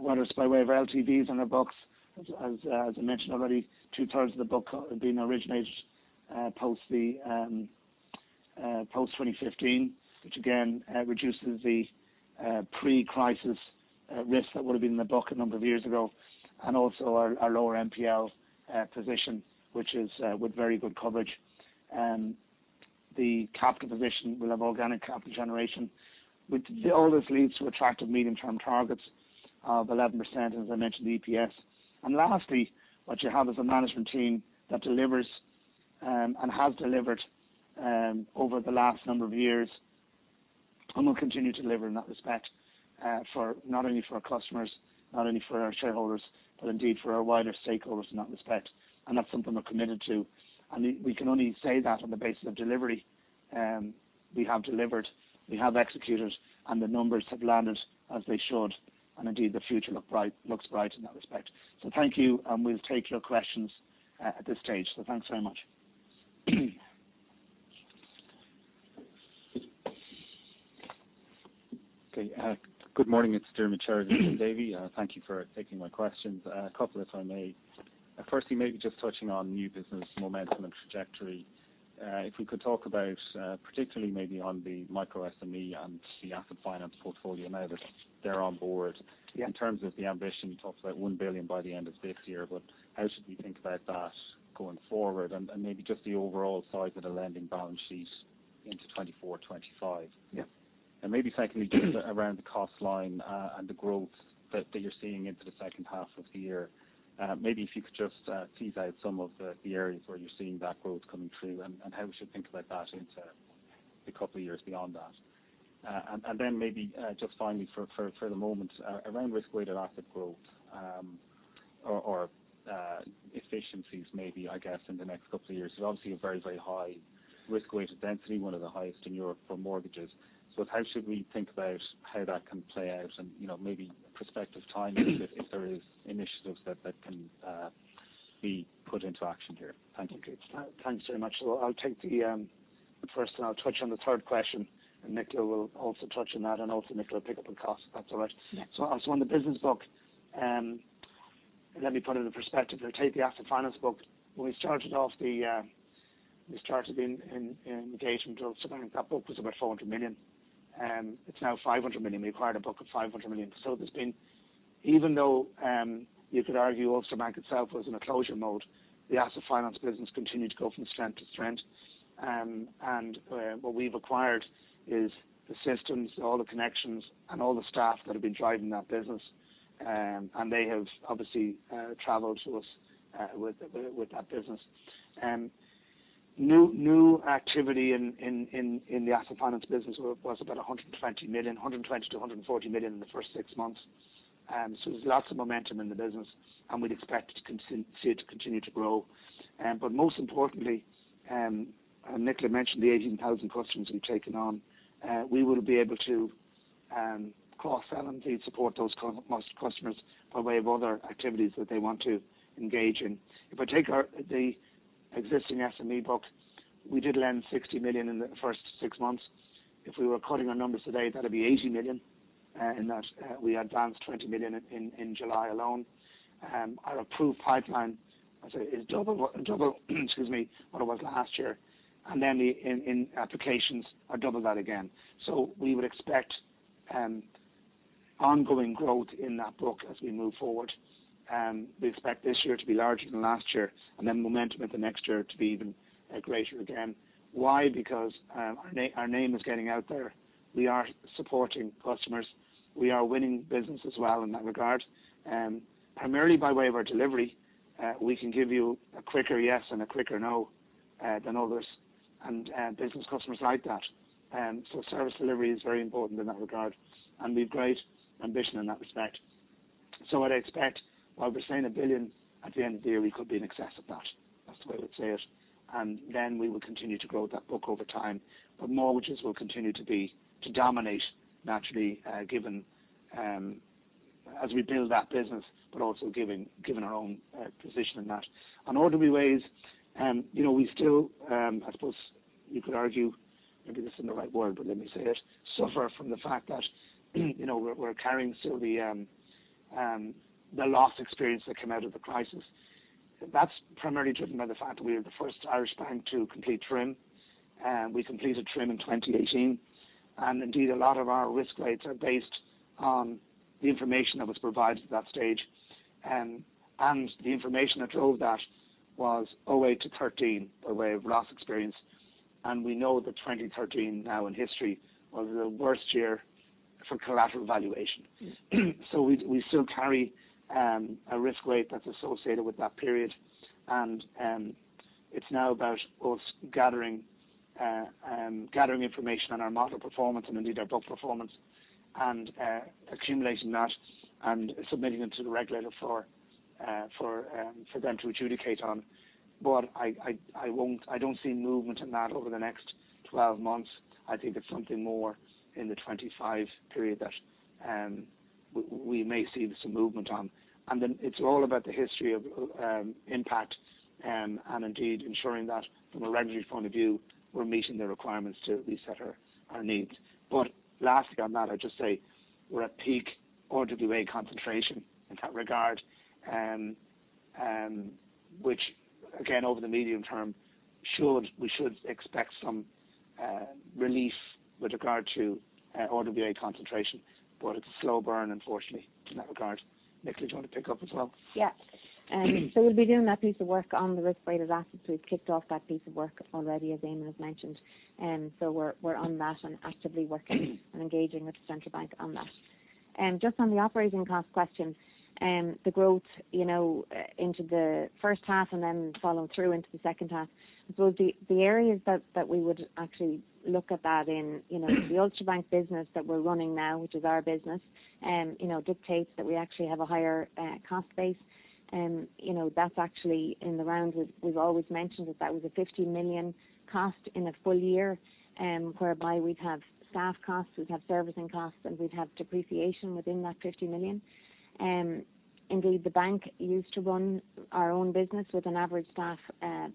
whether it's by way of LTVs on our books, as, as, as I mentioned already, two-thirds of the book being originated post the post 2015, which again reduces the pre-crisis risk that would have been in the book a number of years ago. Also our lower NPL position, which is with very good coverage. The capital position, we'll have organic capital generation, which all this leads to attractive medium-term targets of 11%, as I mentioned, EPS. Lastly, what you have is a management team that delivers, and has delivered, over the last number of years, and will continue to deliver in that respect, for not only for our customers, not only for our shareholders, but indeed for our wider stakeholders in that respect. That's something we're committed to. We, we can only say that on the basis of delivery. We have delivered, we have executed, and the numbers have landed as they should, and indeed, the future looks bright in that respect. Thank you, and we'll take your questions at this stage. Thanks very much. Okay. Good morning, it's Diarmaid Sheridan from Davy. Thank you for taking my questions. A couple, if I may. Firstly, maybe just touching on new business momentum and trajectory. If we could talk about, particularly maybe on the micro SME and the asset finance portfolio now that they're on board. Yeah. In terms of the ambition, you talked about 1 billion by the end of this year, but how should we think about that going forward? Maybe just the overall size of the lending balance sheet into 2040, 2025? Yeah. Maybe secondly, just around the cost line, and the growth that, that you're seeing into the second half of the year. Maybe if you could just tease out some of the, the areas where you're seeing that growth coming through and, and how we should think about that into the couple of years beyond that. And then maybe just finally, for, for, for the moment, around Risk-Weighted Asset growth, or efficiencies maybe, I guess, in the next couple of years. There's obviously a very, very high risk-weighted density, one of the highest in Europe for mortgages. How should we think about how that can play out? You know, maybe prospective timing, if there is initiatives that, that can be put into action here. Thank you. Thanks very much. Well, I'll take the first and I'll touch on the third question, and Nicola will also touch on that, and also Nicola will pick up on cost, if that's all right. Yeah. On the business book. Let me put it in perspective. If you take the asset finance book, when we started off, we started in engagement with Ulster Bank, that book was about 400 million. It's now 500 million. We acquired a book of 500 million. There's been, even though you could argue Ulster Bank itself was in a closure mode, the asset finance business continued to go from strength to strength. What we've acquired is the systems, all the connections, and all the staff that have been driving that business. They have obviously traveled to us with that business. New, new activity in, in, in, in the asset finance business were, was about 120 million, 120 million-140 million in the first six months. There's lots of momentum in the business, and we'd expect to see it to continue to grow. Most importantly, and Nicola mentioned the 18,000 customers we've taken on. We will be able to cross-sell and support those most customers by way of other activities that they want to engage in. If I take our, the existing SME book, we did lend 60 million in the first six months. If we were quoting our numbers today, that'd be 80 million, in that, we advanced 20 million in July alone. Our approved pipeline, I'd say, is 2x what, 2x excuse me, what it was last year. The, in, in applications are 2x that again. We would expect ongoing growth in that book as we move forward. We expect this year to be larger than last year, and then momentum in the next year to be even greater again. Why? Because our name is getting out there. We are supporting customers. We are winning business as well in that regard. Primarily by way of our delivery, we can give you a quicker yes and a quicker no than others. Business customers like that. Service delivery is very important in that regard, and we've great ambition in that respect. What I expect, while we're saying 1 billion at the end of the year, we could be in excess of that. That's the way I would say it. Then we will continue to grow that book over time. Mortgages will continue to be, to dominate naturally, given, as we build that business, but also given, given our own position in that. On RWA, you know, we still, I suppose you could argue, maybe this isn't the right word, but let me say it, suffer from the fact that, you know, we're, we're carrying still the loss experience that came out of the crisis. That's primarily driven by the fact that we are the first Irish bank to complete TRIM. We completed TRIM in 2018, Indeed, a lot of our risk rates are based on the information that was provided at that stage. The information that drove that was 2008-2013, by way of loss experience. We know that 2013 now in history was the worst year for collateral valuation. We still carry a risk weight that's associated with that period. It's now about us gathering information on our model performance and indeed our book performance, accumulating that and submitting it to the regulator for them to adjudicate on. I don't see movement in that over the next 12 months. I think it's something more in the 2025 period that we may see some movement on. Then it's all about the history of impact, and indeed ensuring that from a regulatory point of view, we're meeting the requirements to at least set our, our needs. But lastly on that, I'd just say we're at peak RWA concentration in that regard. Which again, over the medium term we should expect some relief with regard to RWA concentration, but it's a slow burn unfortunately, in that regard. Nicola, do you want to pick up as well? Yeah. We'll be doing that piece of work on the risk-weighted assets. We've kicked off that piece of work already, as Eamonn has mentioned. We're, we're on that and actively working and engaging with the Central Bank on that. Just on the operating cost question, the growth, you know, into the first half and then followed through into the second half. I suppose the, the areas that, that we would actually look at that in, you know, the Ulster Bank business that we're running now, which is our business, you know, dictates that we actually have a higher cost base. You know, that's actually in the rounds. We've, we've always mentioned that that was a 50 million cost in a full year, whereby we'd have staff costs, we'd have servicing costs, and we'd have depreciation within that 50 million. Indeed, the bank used to run our own business with an average staff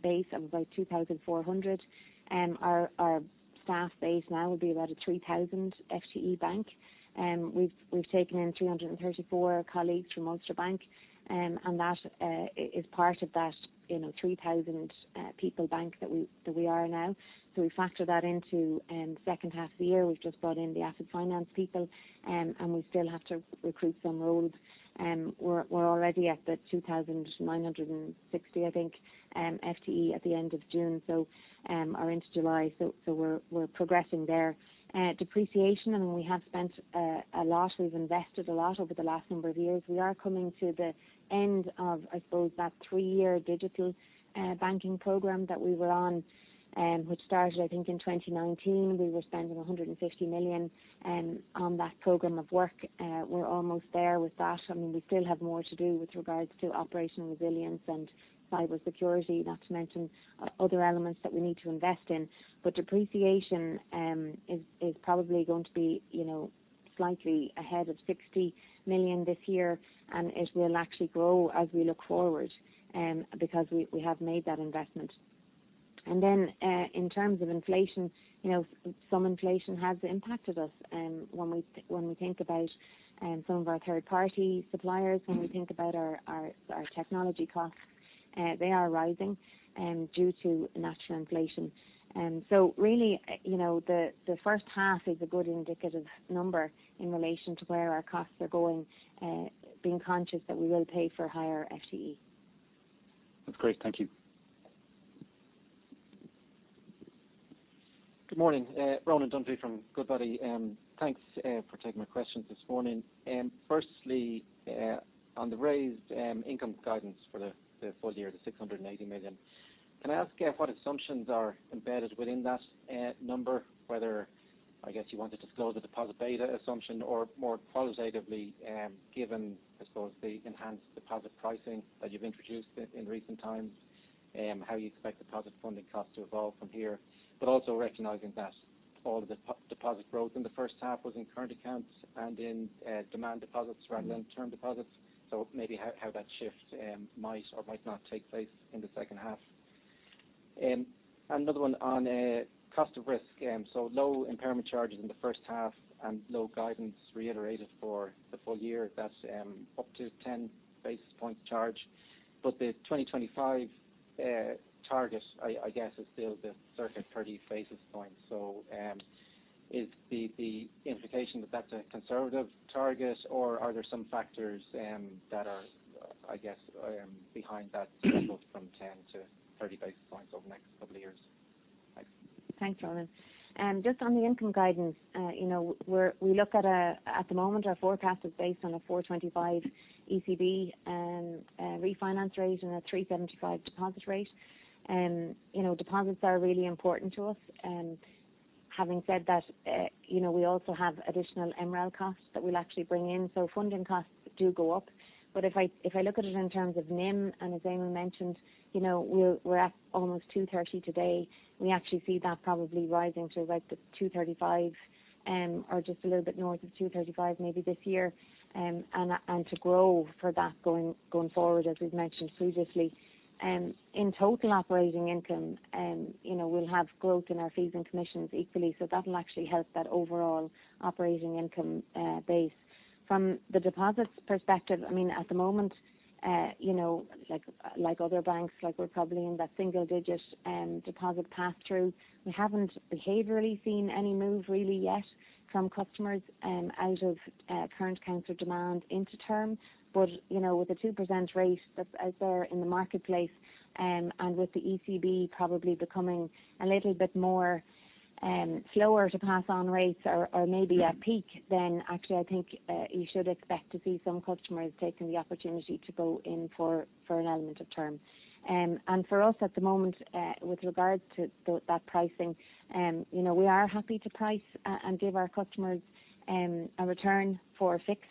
base of about 2,400. Our, our staff base now will be about a 3,000 FTE bank. We've, we've taken in 334 colleagues from Ulster Bank, and that is part of that, you know, 3,000 people bank that we, that we are now. We factor that into second half of the year. We've just brought in the asset finance people, and we still have to recruit some roles. We're, we're already at the 2,960, I think, FTE at the end of June, so or into July. We're, we're progressing there. Depreciation, and we have spent a lot. We've invested a lot over the last number of years. We are coming to the end of, I suppose, that three-year digital banking program that we were on, which started, I think, in 2019. We were spending 150 million on that program of work. We're almost there with that. I mean, we still have more to do with regards to operational resilience and cybersecurity, not to mention other elements that we need to invest in. Depreciation is probably going to be, you know, slightly ahead of 60 million this year, and it will actually grow as we look forward because we have made that investment. Then, in terms of inflation, you know, some inflation has impacted us, and when we think about some of our third party suppliers, when we think about our technology costs, they are rising due to natural inflation. So really, you know, the first half is a good indicative number in relation to where our costs are going, being conscious that we will pay for higher FTE. That's great. Thank you. Good morning, Ronan Dunne from Goodbody. Thanks for taking my questions this morning. Firstly, on the raised income guidance for the full year, the 680 million, can I ask what assumptions are embedded within that number? Whether, I guess, you want to disclose the deposit beta assumption or more qualitatively, given, I suppose, the enhanced deposit pricing that you've introduced in recent times, how you expect deposit funding costs to evolve from here. Also recognizing that all the deposit growth in the first half was in current accounts and in demand deposits rather than term deposits. Maybe how that shift might or might not take place in the second half. Another one on cost of risk. Low impairment charges in the first half and low guidance reiterated for the full year. That's up to 10 basis points charge, but the 2025 target, I guess, is still the circuit 30 basis points. Is the implication that that's a conservative target, or are there some factors that are, I guess, behind that jump from 10 to 30 basis points over the next couple of years? Thanks. Thanks, Ronan. Just on the income guidance, you know, at the moment, our forecast is based on a 425 ECB refinance rate and a 375 deposit rate. You know, deposits are really important to us. Having said that, you know, we also have additional MREL costs that we'll actually bring in, so funding costs do go up. If I, if I look at it in terms of NIM, and as Eamonn mentioned, you know, we're at almost 230 today. We actually see that probably rising to like the 235, or just a little bit north of 235, maybe this year. And to grow for that going, going forward, as we've mentioned previously. In total operating income, you know, we'll have growth in our fees and commissions equally, so that'll actually help that overall operating income base. From the deposits perspective, I mean, at the moment, you know, like, like other banks, like we're probably in that single-digit deposit pass through. We haven't behaviorally seen any move really yet from customers out of current accounts or demand into term. You know, with the 2% rate that's out there in the marketplace, and with the ECB probably becoming a little bit more slower to pass on rates or, or maybe at peak, then actually I think, you should expect to see some customers taking the opportunity to go in for, for an element of term. For us, at the moment, with regards to that pricing, you know, we are happy to price and give our customers a return for fixed.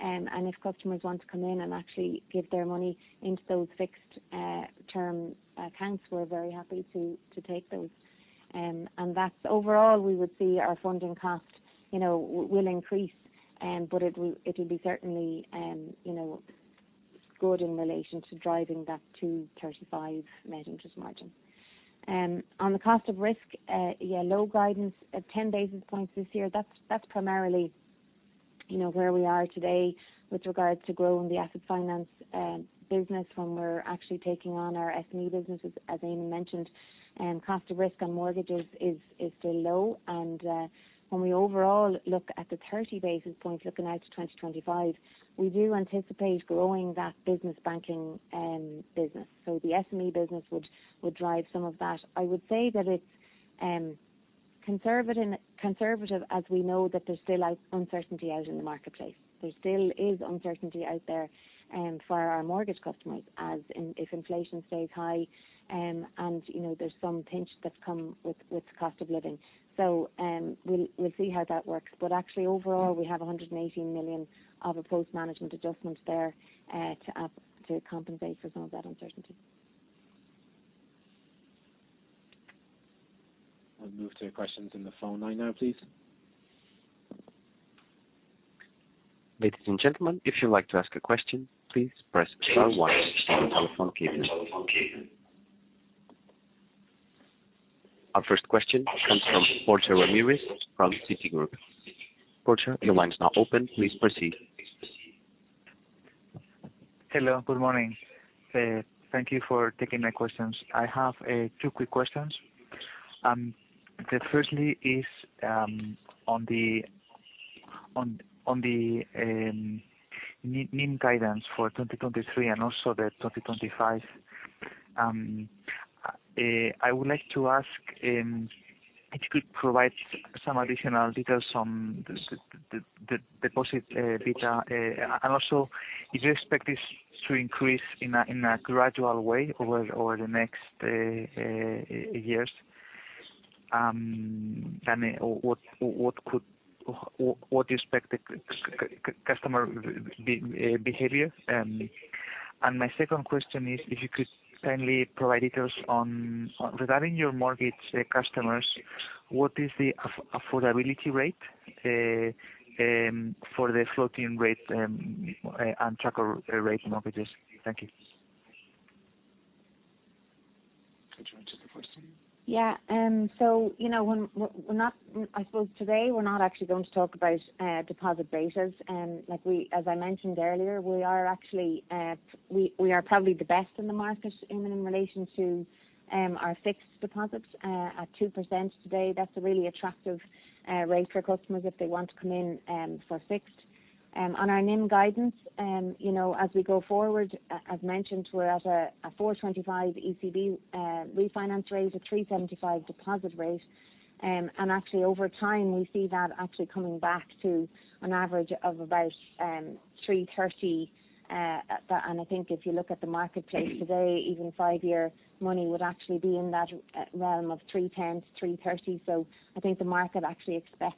If customers want to come in and actually give their money into those fixed term accounts, we're very happy to take those. That's overall, we would see our funding cost, you know, will increase, but it will, it'll be certainly, you know, good in relation to driving that 235 net interest margin. On the cost of risk, yeah, low guidance at 10 basis points this year. That's primarily, you know, where we are today with regards to growing the asset finance business from we're actually taking on our SME businesses, as Eamonn mentioned. Cost of risk on mortgages is, is still low, when we overall look at the 30 basis points looking out to 2025, we do anticipate growing that business banking business. The SME business would, would drive some of that. I would say that it's conservative, conservative, as we know, that there's still uncertainty out in the marketplace. There still is uncertainty out there for our mortgage customers, as in if inflation stays high, and, you know, there's some pinch that's come with, with the cost of living. We'll, we'll see how that works. Actually overall, we have 180 million of a post-model adjustment there to compensate for some of that uncertainty. I'll move to questions in the phone line now, please. Ladies and gentlemen, if you'd like to ask a question, please press star one on your telephone keypad. On your telephone keypad. Our first question comes from Porter Ramirez from Citigroup. Porter, your line is now open. Please proceed. Hello, good morning. Thank you for taking my questions. I have two quick questions. The firstly is on the NIM, NIM guidance for 2023 and also the 2025. I would like to ask if you could provide some additional details on the deposit data. Also, do you expect this to increase in a gradual way over the next years? I mean, what do you expect the customer behavior? My second question is, if you could kindly provide details on regarding your mortgage customers. What is the affordability rate for the floating rate and tracker rate mortgages? Thank you. Could you answer the question? So, you know, when we're, we're not-- I suppose today we're not actually going to talk about deposit bases. Like we, as I mentioned earlier, we are actually, we, we are probably the best in the market in, in relation to our fixed deposits at 2% today. That's a really attractive rate for customers if they want to come in for fixed. On our NIM guidance, you know, as we go forward, as mentioned, we're at a 4.25 ECB refinance rate, a 3.75 deposit rate. Actually over time, we see that actually coming back to an average of about 3.30. I think if you look at the marketplace today, even 5-year money would actually be in that realm of 3.10-3.30. I think the market actually expects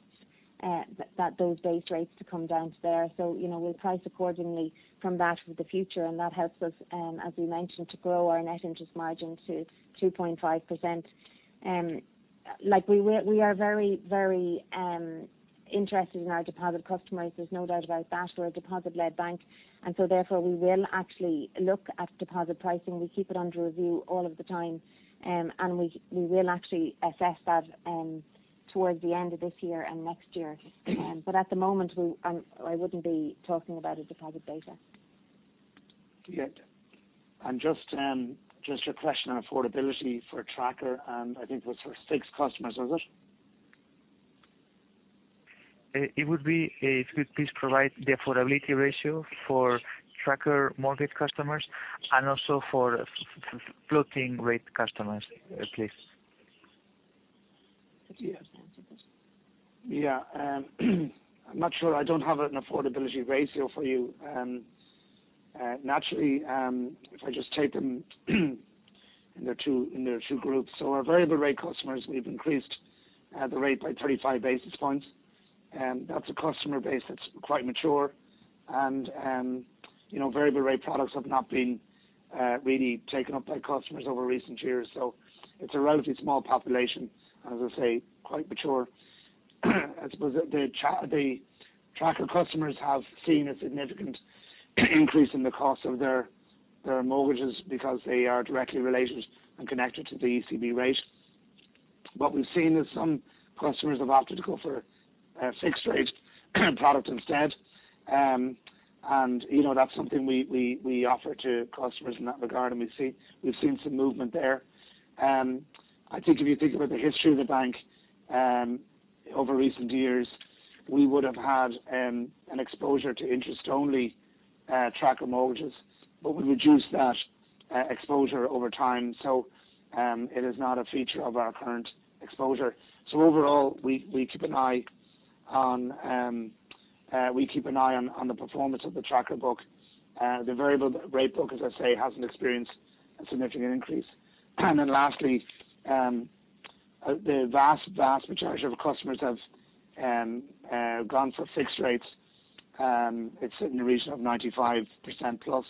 that, those base rates to come down to there. You know, we'll price accordingly from that for the future, and that helps us, as we mentioned, to grow our net interest margin to 2.5%. Like, we, we are very, very interested in our deposit customers, there's no doubt about that. We're a deposit-led bank, and so therefore, we will actually look at deposit pricing. We keep it under review all of the time. We, we will actually assess that towards the end of this year and next year. At the moment, we I wouldn't be talking about a deposit beta. Yeah. Just, just a question on affordability for tracker, and I think it was for fixed customers, was it? It would be, if you could please provide the affordability ratio for tracker mortgage customers and also for floating rate customers, please. Yeah. I'm not sure. I don't have an affordability ratio for you. naturally, if I just take them in their two, in their two groups. Our variable rate customers, we've increased the rate by 35 basis points, and that's a customer base that's quite mature. You know, variable rate products have not been really taken up by customers over recent years, so it's a relatively small population, and as I say, quite mature. I suppose the track- the tracker customers have seen a significant increase in the cost of their, their mortgages because they are directly related and connected to the ECB rate. What we've seen is some customers have opted to go for a fixed rate product instead. You know, that's something we, we, we offer to customers in that regard, and we've seen some movement there. I think if you think about the history of the bank, over recent years, we would have had an exposure to interest-only tracker mortgages, but we reduced that exposure over time, so it is not a feature of our current exposure. Overall, we, we keep an eye on, we keep an eye on, on the performance of the tracker book. The variable rate book, as I say, hasn't experienced a significant increase. Then lastly, the vast, vast majority of our customers have gone for fixed rates. It's in the region of 95% plus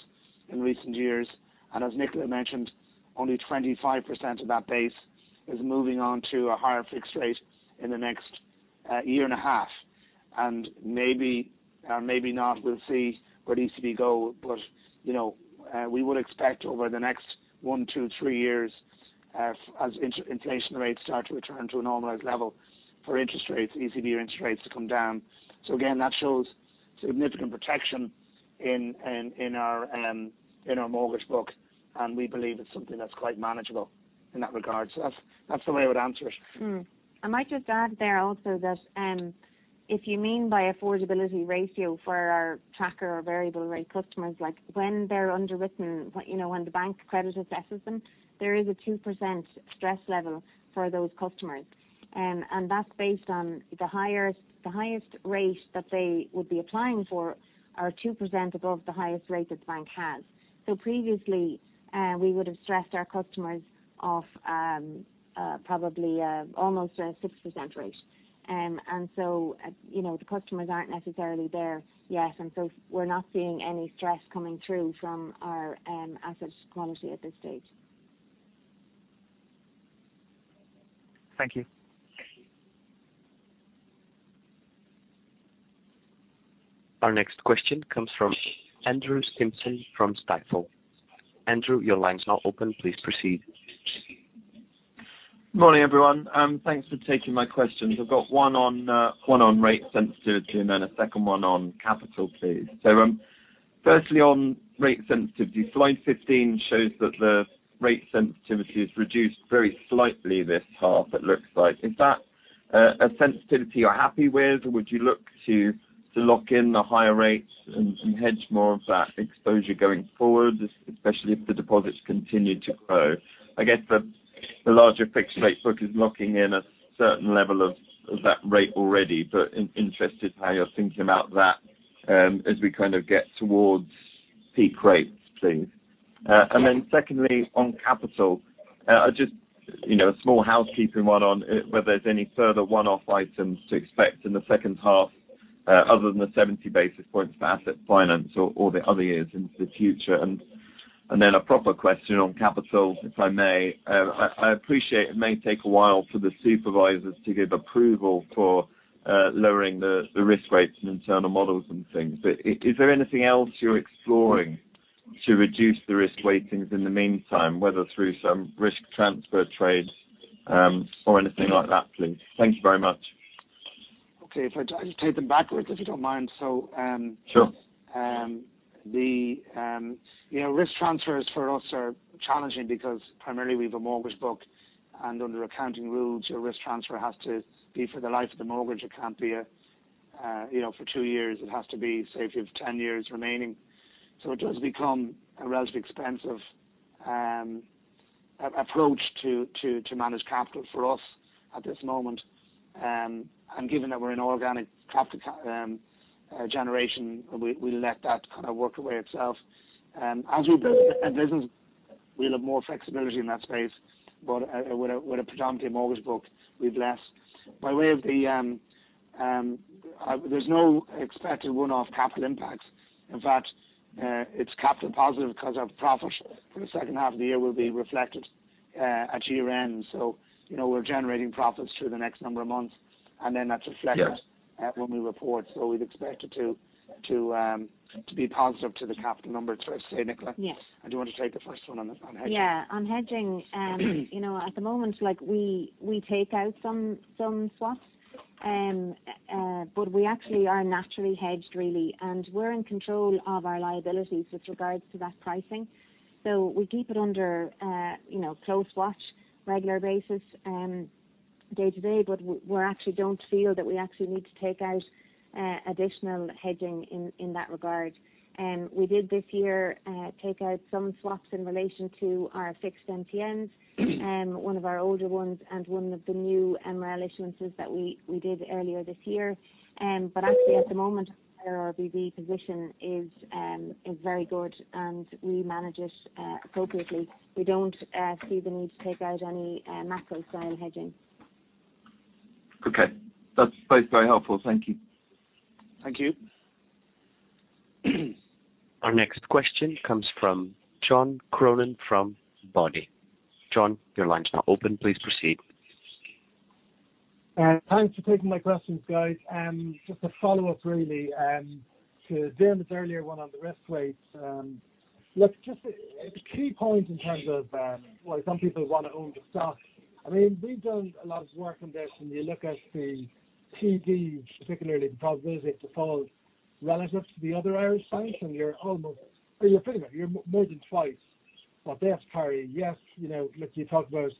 in recent years, as Nicola mentioned, only 25% of that base is moving on to a higher fixed rate in the next year and a half. Maybe not, we'll see where ECB go, but, you know, we would expect over the next one, two, three years, as inflation rates start to return to a normalized level, for interest rates, ECB interest rates to come down. Again, that shows significant protection in, in, in our mortgage book, and we believe it's something that's quite manageable in that regard. That's, that's the way I would answer it. I might just add there also that, if you mean by affordability ratio for our tracker or variable rate customers, like when they're underwritten, when, you know, when the bank credit assesses them, there is a 2% stress level for those customers. That's based on the highest rate that they would be applying for are 2% above the highest rate the bank has. Previously, we would've stressed our customers off, probably, almost a 6% rate. So, you know, the customers aren't necessarily there yet, and so we're not seeing any stress coming through from our asset quality at this stage. Thank you. Our next question comes from Andrew Simpson from Stifel. Andrew, your line's now open. Please proceed. Morning, everyone, thanks for taking my questions. I've got one on rate sensitivity and then a second one on capital, please. Firstly, on rate sensitivity, slide 15 shows that the rate sensitivity is reduced very slightly this half, it looks like. Is that a sensitivity you're happy with, or would you look to lock in the higher rates and hedge more of that exposure going forward, especially if the deposits continue to grow? I guess the larger fixed rate book is locking in a certain level of that rate already, but interested in how you're thinking about that as we kind of get towards peak rates, please. Then secondly, on capital, I just, you know, a small housekeeping one on whether there's any further one-off items to expect in the second half, other than the 70 basis points for Asset Finance or the other years into the future. Then a proper question on capital, if I may. I appreciate it may take a while for the supervisors to give approval for lowering the risk rates and internal models and things, but is there anything else you're exploring to reduce the risk weightings in the meantime, whether through some risk transfer trades, or anything like that, please? Thank you very much. Okay. If I take them backwards, if you don't mind. Sure. The, you know, risk transfers for us are challenging because primarily we have a mortgage book, and under accounting rules, your risk transfer has to be for the life of the mortgage. It can't be a, you know, for 2 years. It has to be, say, if you have 10 years remaining. It does become a relatively expensive approach to manage capital for us at this moment. And given that we're in organic capital generation, we let that kind of work the way itself. As we build the business, we'll have more flexibility in that space, but with a predominantly mortgage book, we've less. By way of the, there's no expected 1-off capital impacts. In fact, it's capital positive because our profit for the second half of the year will be reflected, at year-end. You know, we're generating profits through the next number of months, and then that's reflected... Yeah. when we report. We'd expect it to, to, to be positive to the capital numbers. Sorry, Nicola. Yes. Do you want to take the first one on the, on hedging? Yeah, on hedging, you know, at the moment, like, we, we take out some, some swaps. We actually are naturally hedged, really, and we're in control of our liabilities with regards to that pricing. We keep it under, you know, close watch, regular basis, day-to-day, but we actually don't feel that we actually need to take out additional hedging in that regard. We did this year take out some swaps in relation to our fixed MTNs, one of our older ones and one of the new MREL issuances that we, we did earlier this year. Actually, at the moment, our RBV position is very good, and we manage it appropriately. We don't see the need to take out any macro style hedging. Okay. That's both very helpful. Thank you. Thank you. Our next question comes from John Cronin from Goodbody. John, your line is now open. Please proceed. Thanks for taking my questions, guys. Just a follow-up, really, to Diarmaid's earlier one on the risk weights. Look, just the, the key point in terms of, well, some people want to own the stock. I mean, we've done a lot of work on this, and you look at the PD, particularly the Probability of Default, relative to the other Irish banks, and you're almost... you're pretty much, you're more than twice what they're carrying. Yes, you know, look, you talk about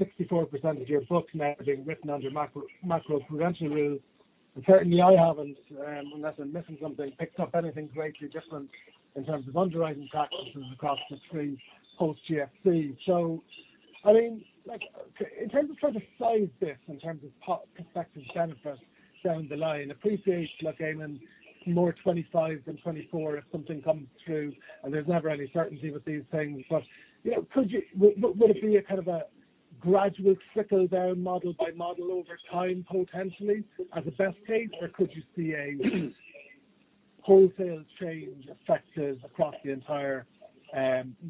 64% of your book now being written under macro, macro-prudential rules. Certainly, I haven't, unless I'm missing something, picked up anything greatly different in terms of underwriting practices across the stream post GFC. I mean, like, in terms of trying to size this, in terms of prospective benefit down the line, appreciate, look, I'm in more 25 than 24 if something comes through, and there's never any certainty with these things. But, you know, could you, would it be a kind of a gradual trickle-down model by model over time, potentially, as a best case, or could you see a wholesale change effected across the entire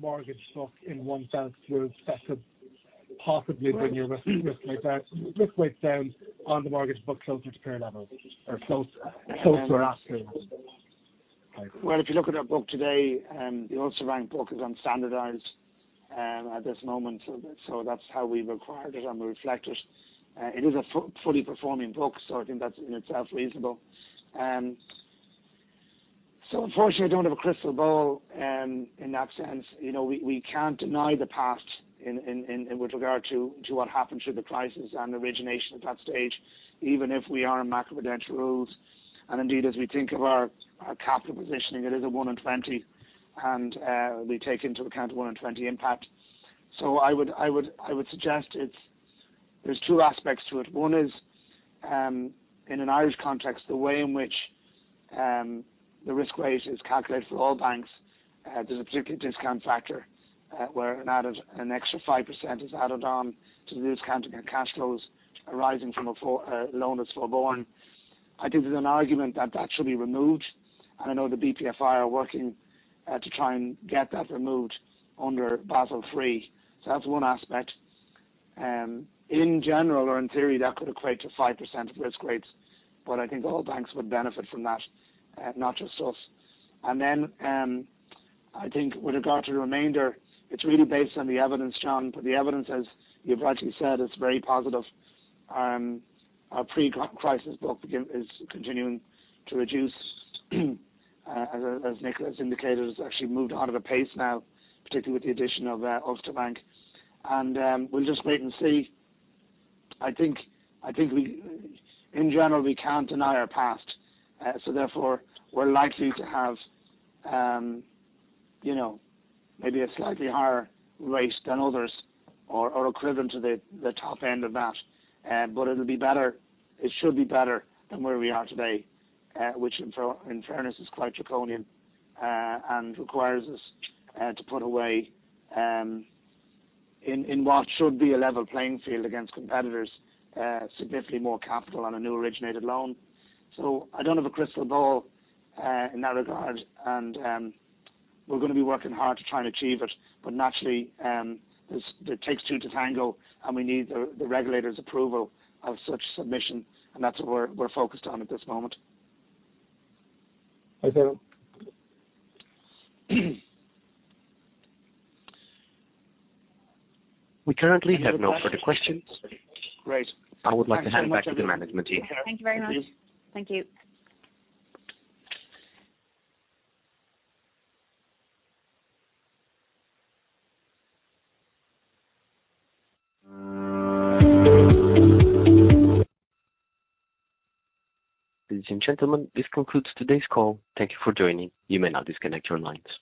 mortgage book in one fell swoop, that could possibly bring your risk weight down, risk weight down on the mortgage book closer to fair level or close to our asking? Well, if you look at our book today, the Ulster Bank book is unstandardized at this moment, so that's how we required it and we reflect it. It is a fully performing book, so I think that's in itself reasonable. So unfortunately, I don't have a crystal ball in that sense. You know, we, we can't deny the past with regard to what happened through the crisis and origination at that stage, even if we are in macroprudential rules. Indeed, as we think of our, our capital positioning, it is a 1 in 20 and we take into account the 1 in 20 impact. So I would suggest it's. There's 2 aspects to it. One is, in an Irish context, the way in which the risk weight is calculated for all banks, there's a particular discount factor, where an added, an extra 5% is added on to the discounted cash flows arising from a loan that's forborne. I think there's an argument that that should be removed, and I know the BPFI are working to try and get that removed under Basel III. That's one aspect. In general, or in theory, that could equate to 5% of risk weights, but I think all banks would benefit from that, not just us. Then, I think with regard to the remainder, it's really based on the evidence, John, but the evidence, as you've rightly said, is very positive. Our pre-crisis book, again, is continuing to reduce. As, as Nicola has indicated, it's actually moved out of a pace now, particularly with the addition of Ulster Bank. We'll just wait and see. I think, I think in general, we can't deny our past. Therefore, we're likely to have, you know, maybe a slightly higher rate than others or, or equivalent to the, the top end of that. It'll be better, it should be better than where we are today, which in fairness, is quite draconian, and requires us to put away in what should be a level playing field against competitors, significantly more capital on a new originated loan. I don't have a crystal ball in that regard, and we're going to be working hard to try and achieve it. Naturally, it takes two to tango, and we need the regulators' approval of such submission, and that's what we're, we're focused on at this moment. Okay. We currently have no further questions. Great. I would like to hand it back to the management team. Thank you very much. Thank you. Ladies and gentlemen, this concludes today's call. Thank you for joining. You may now disconnect your lines.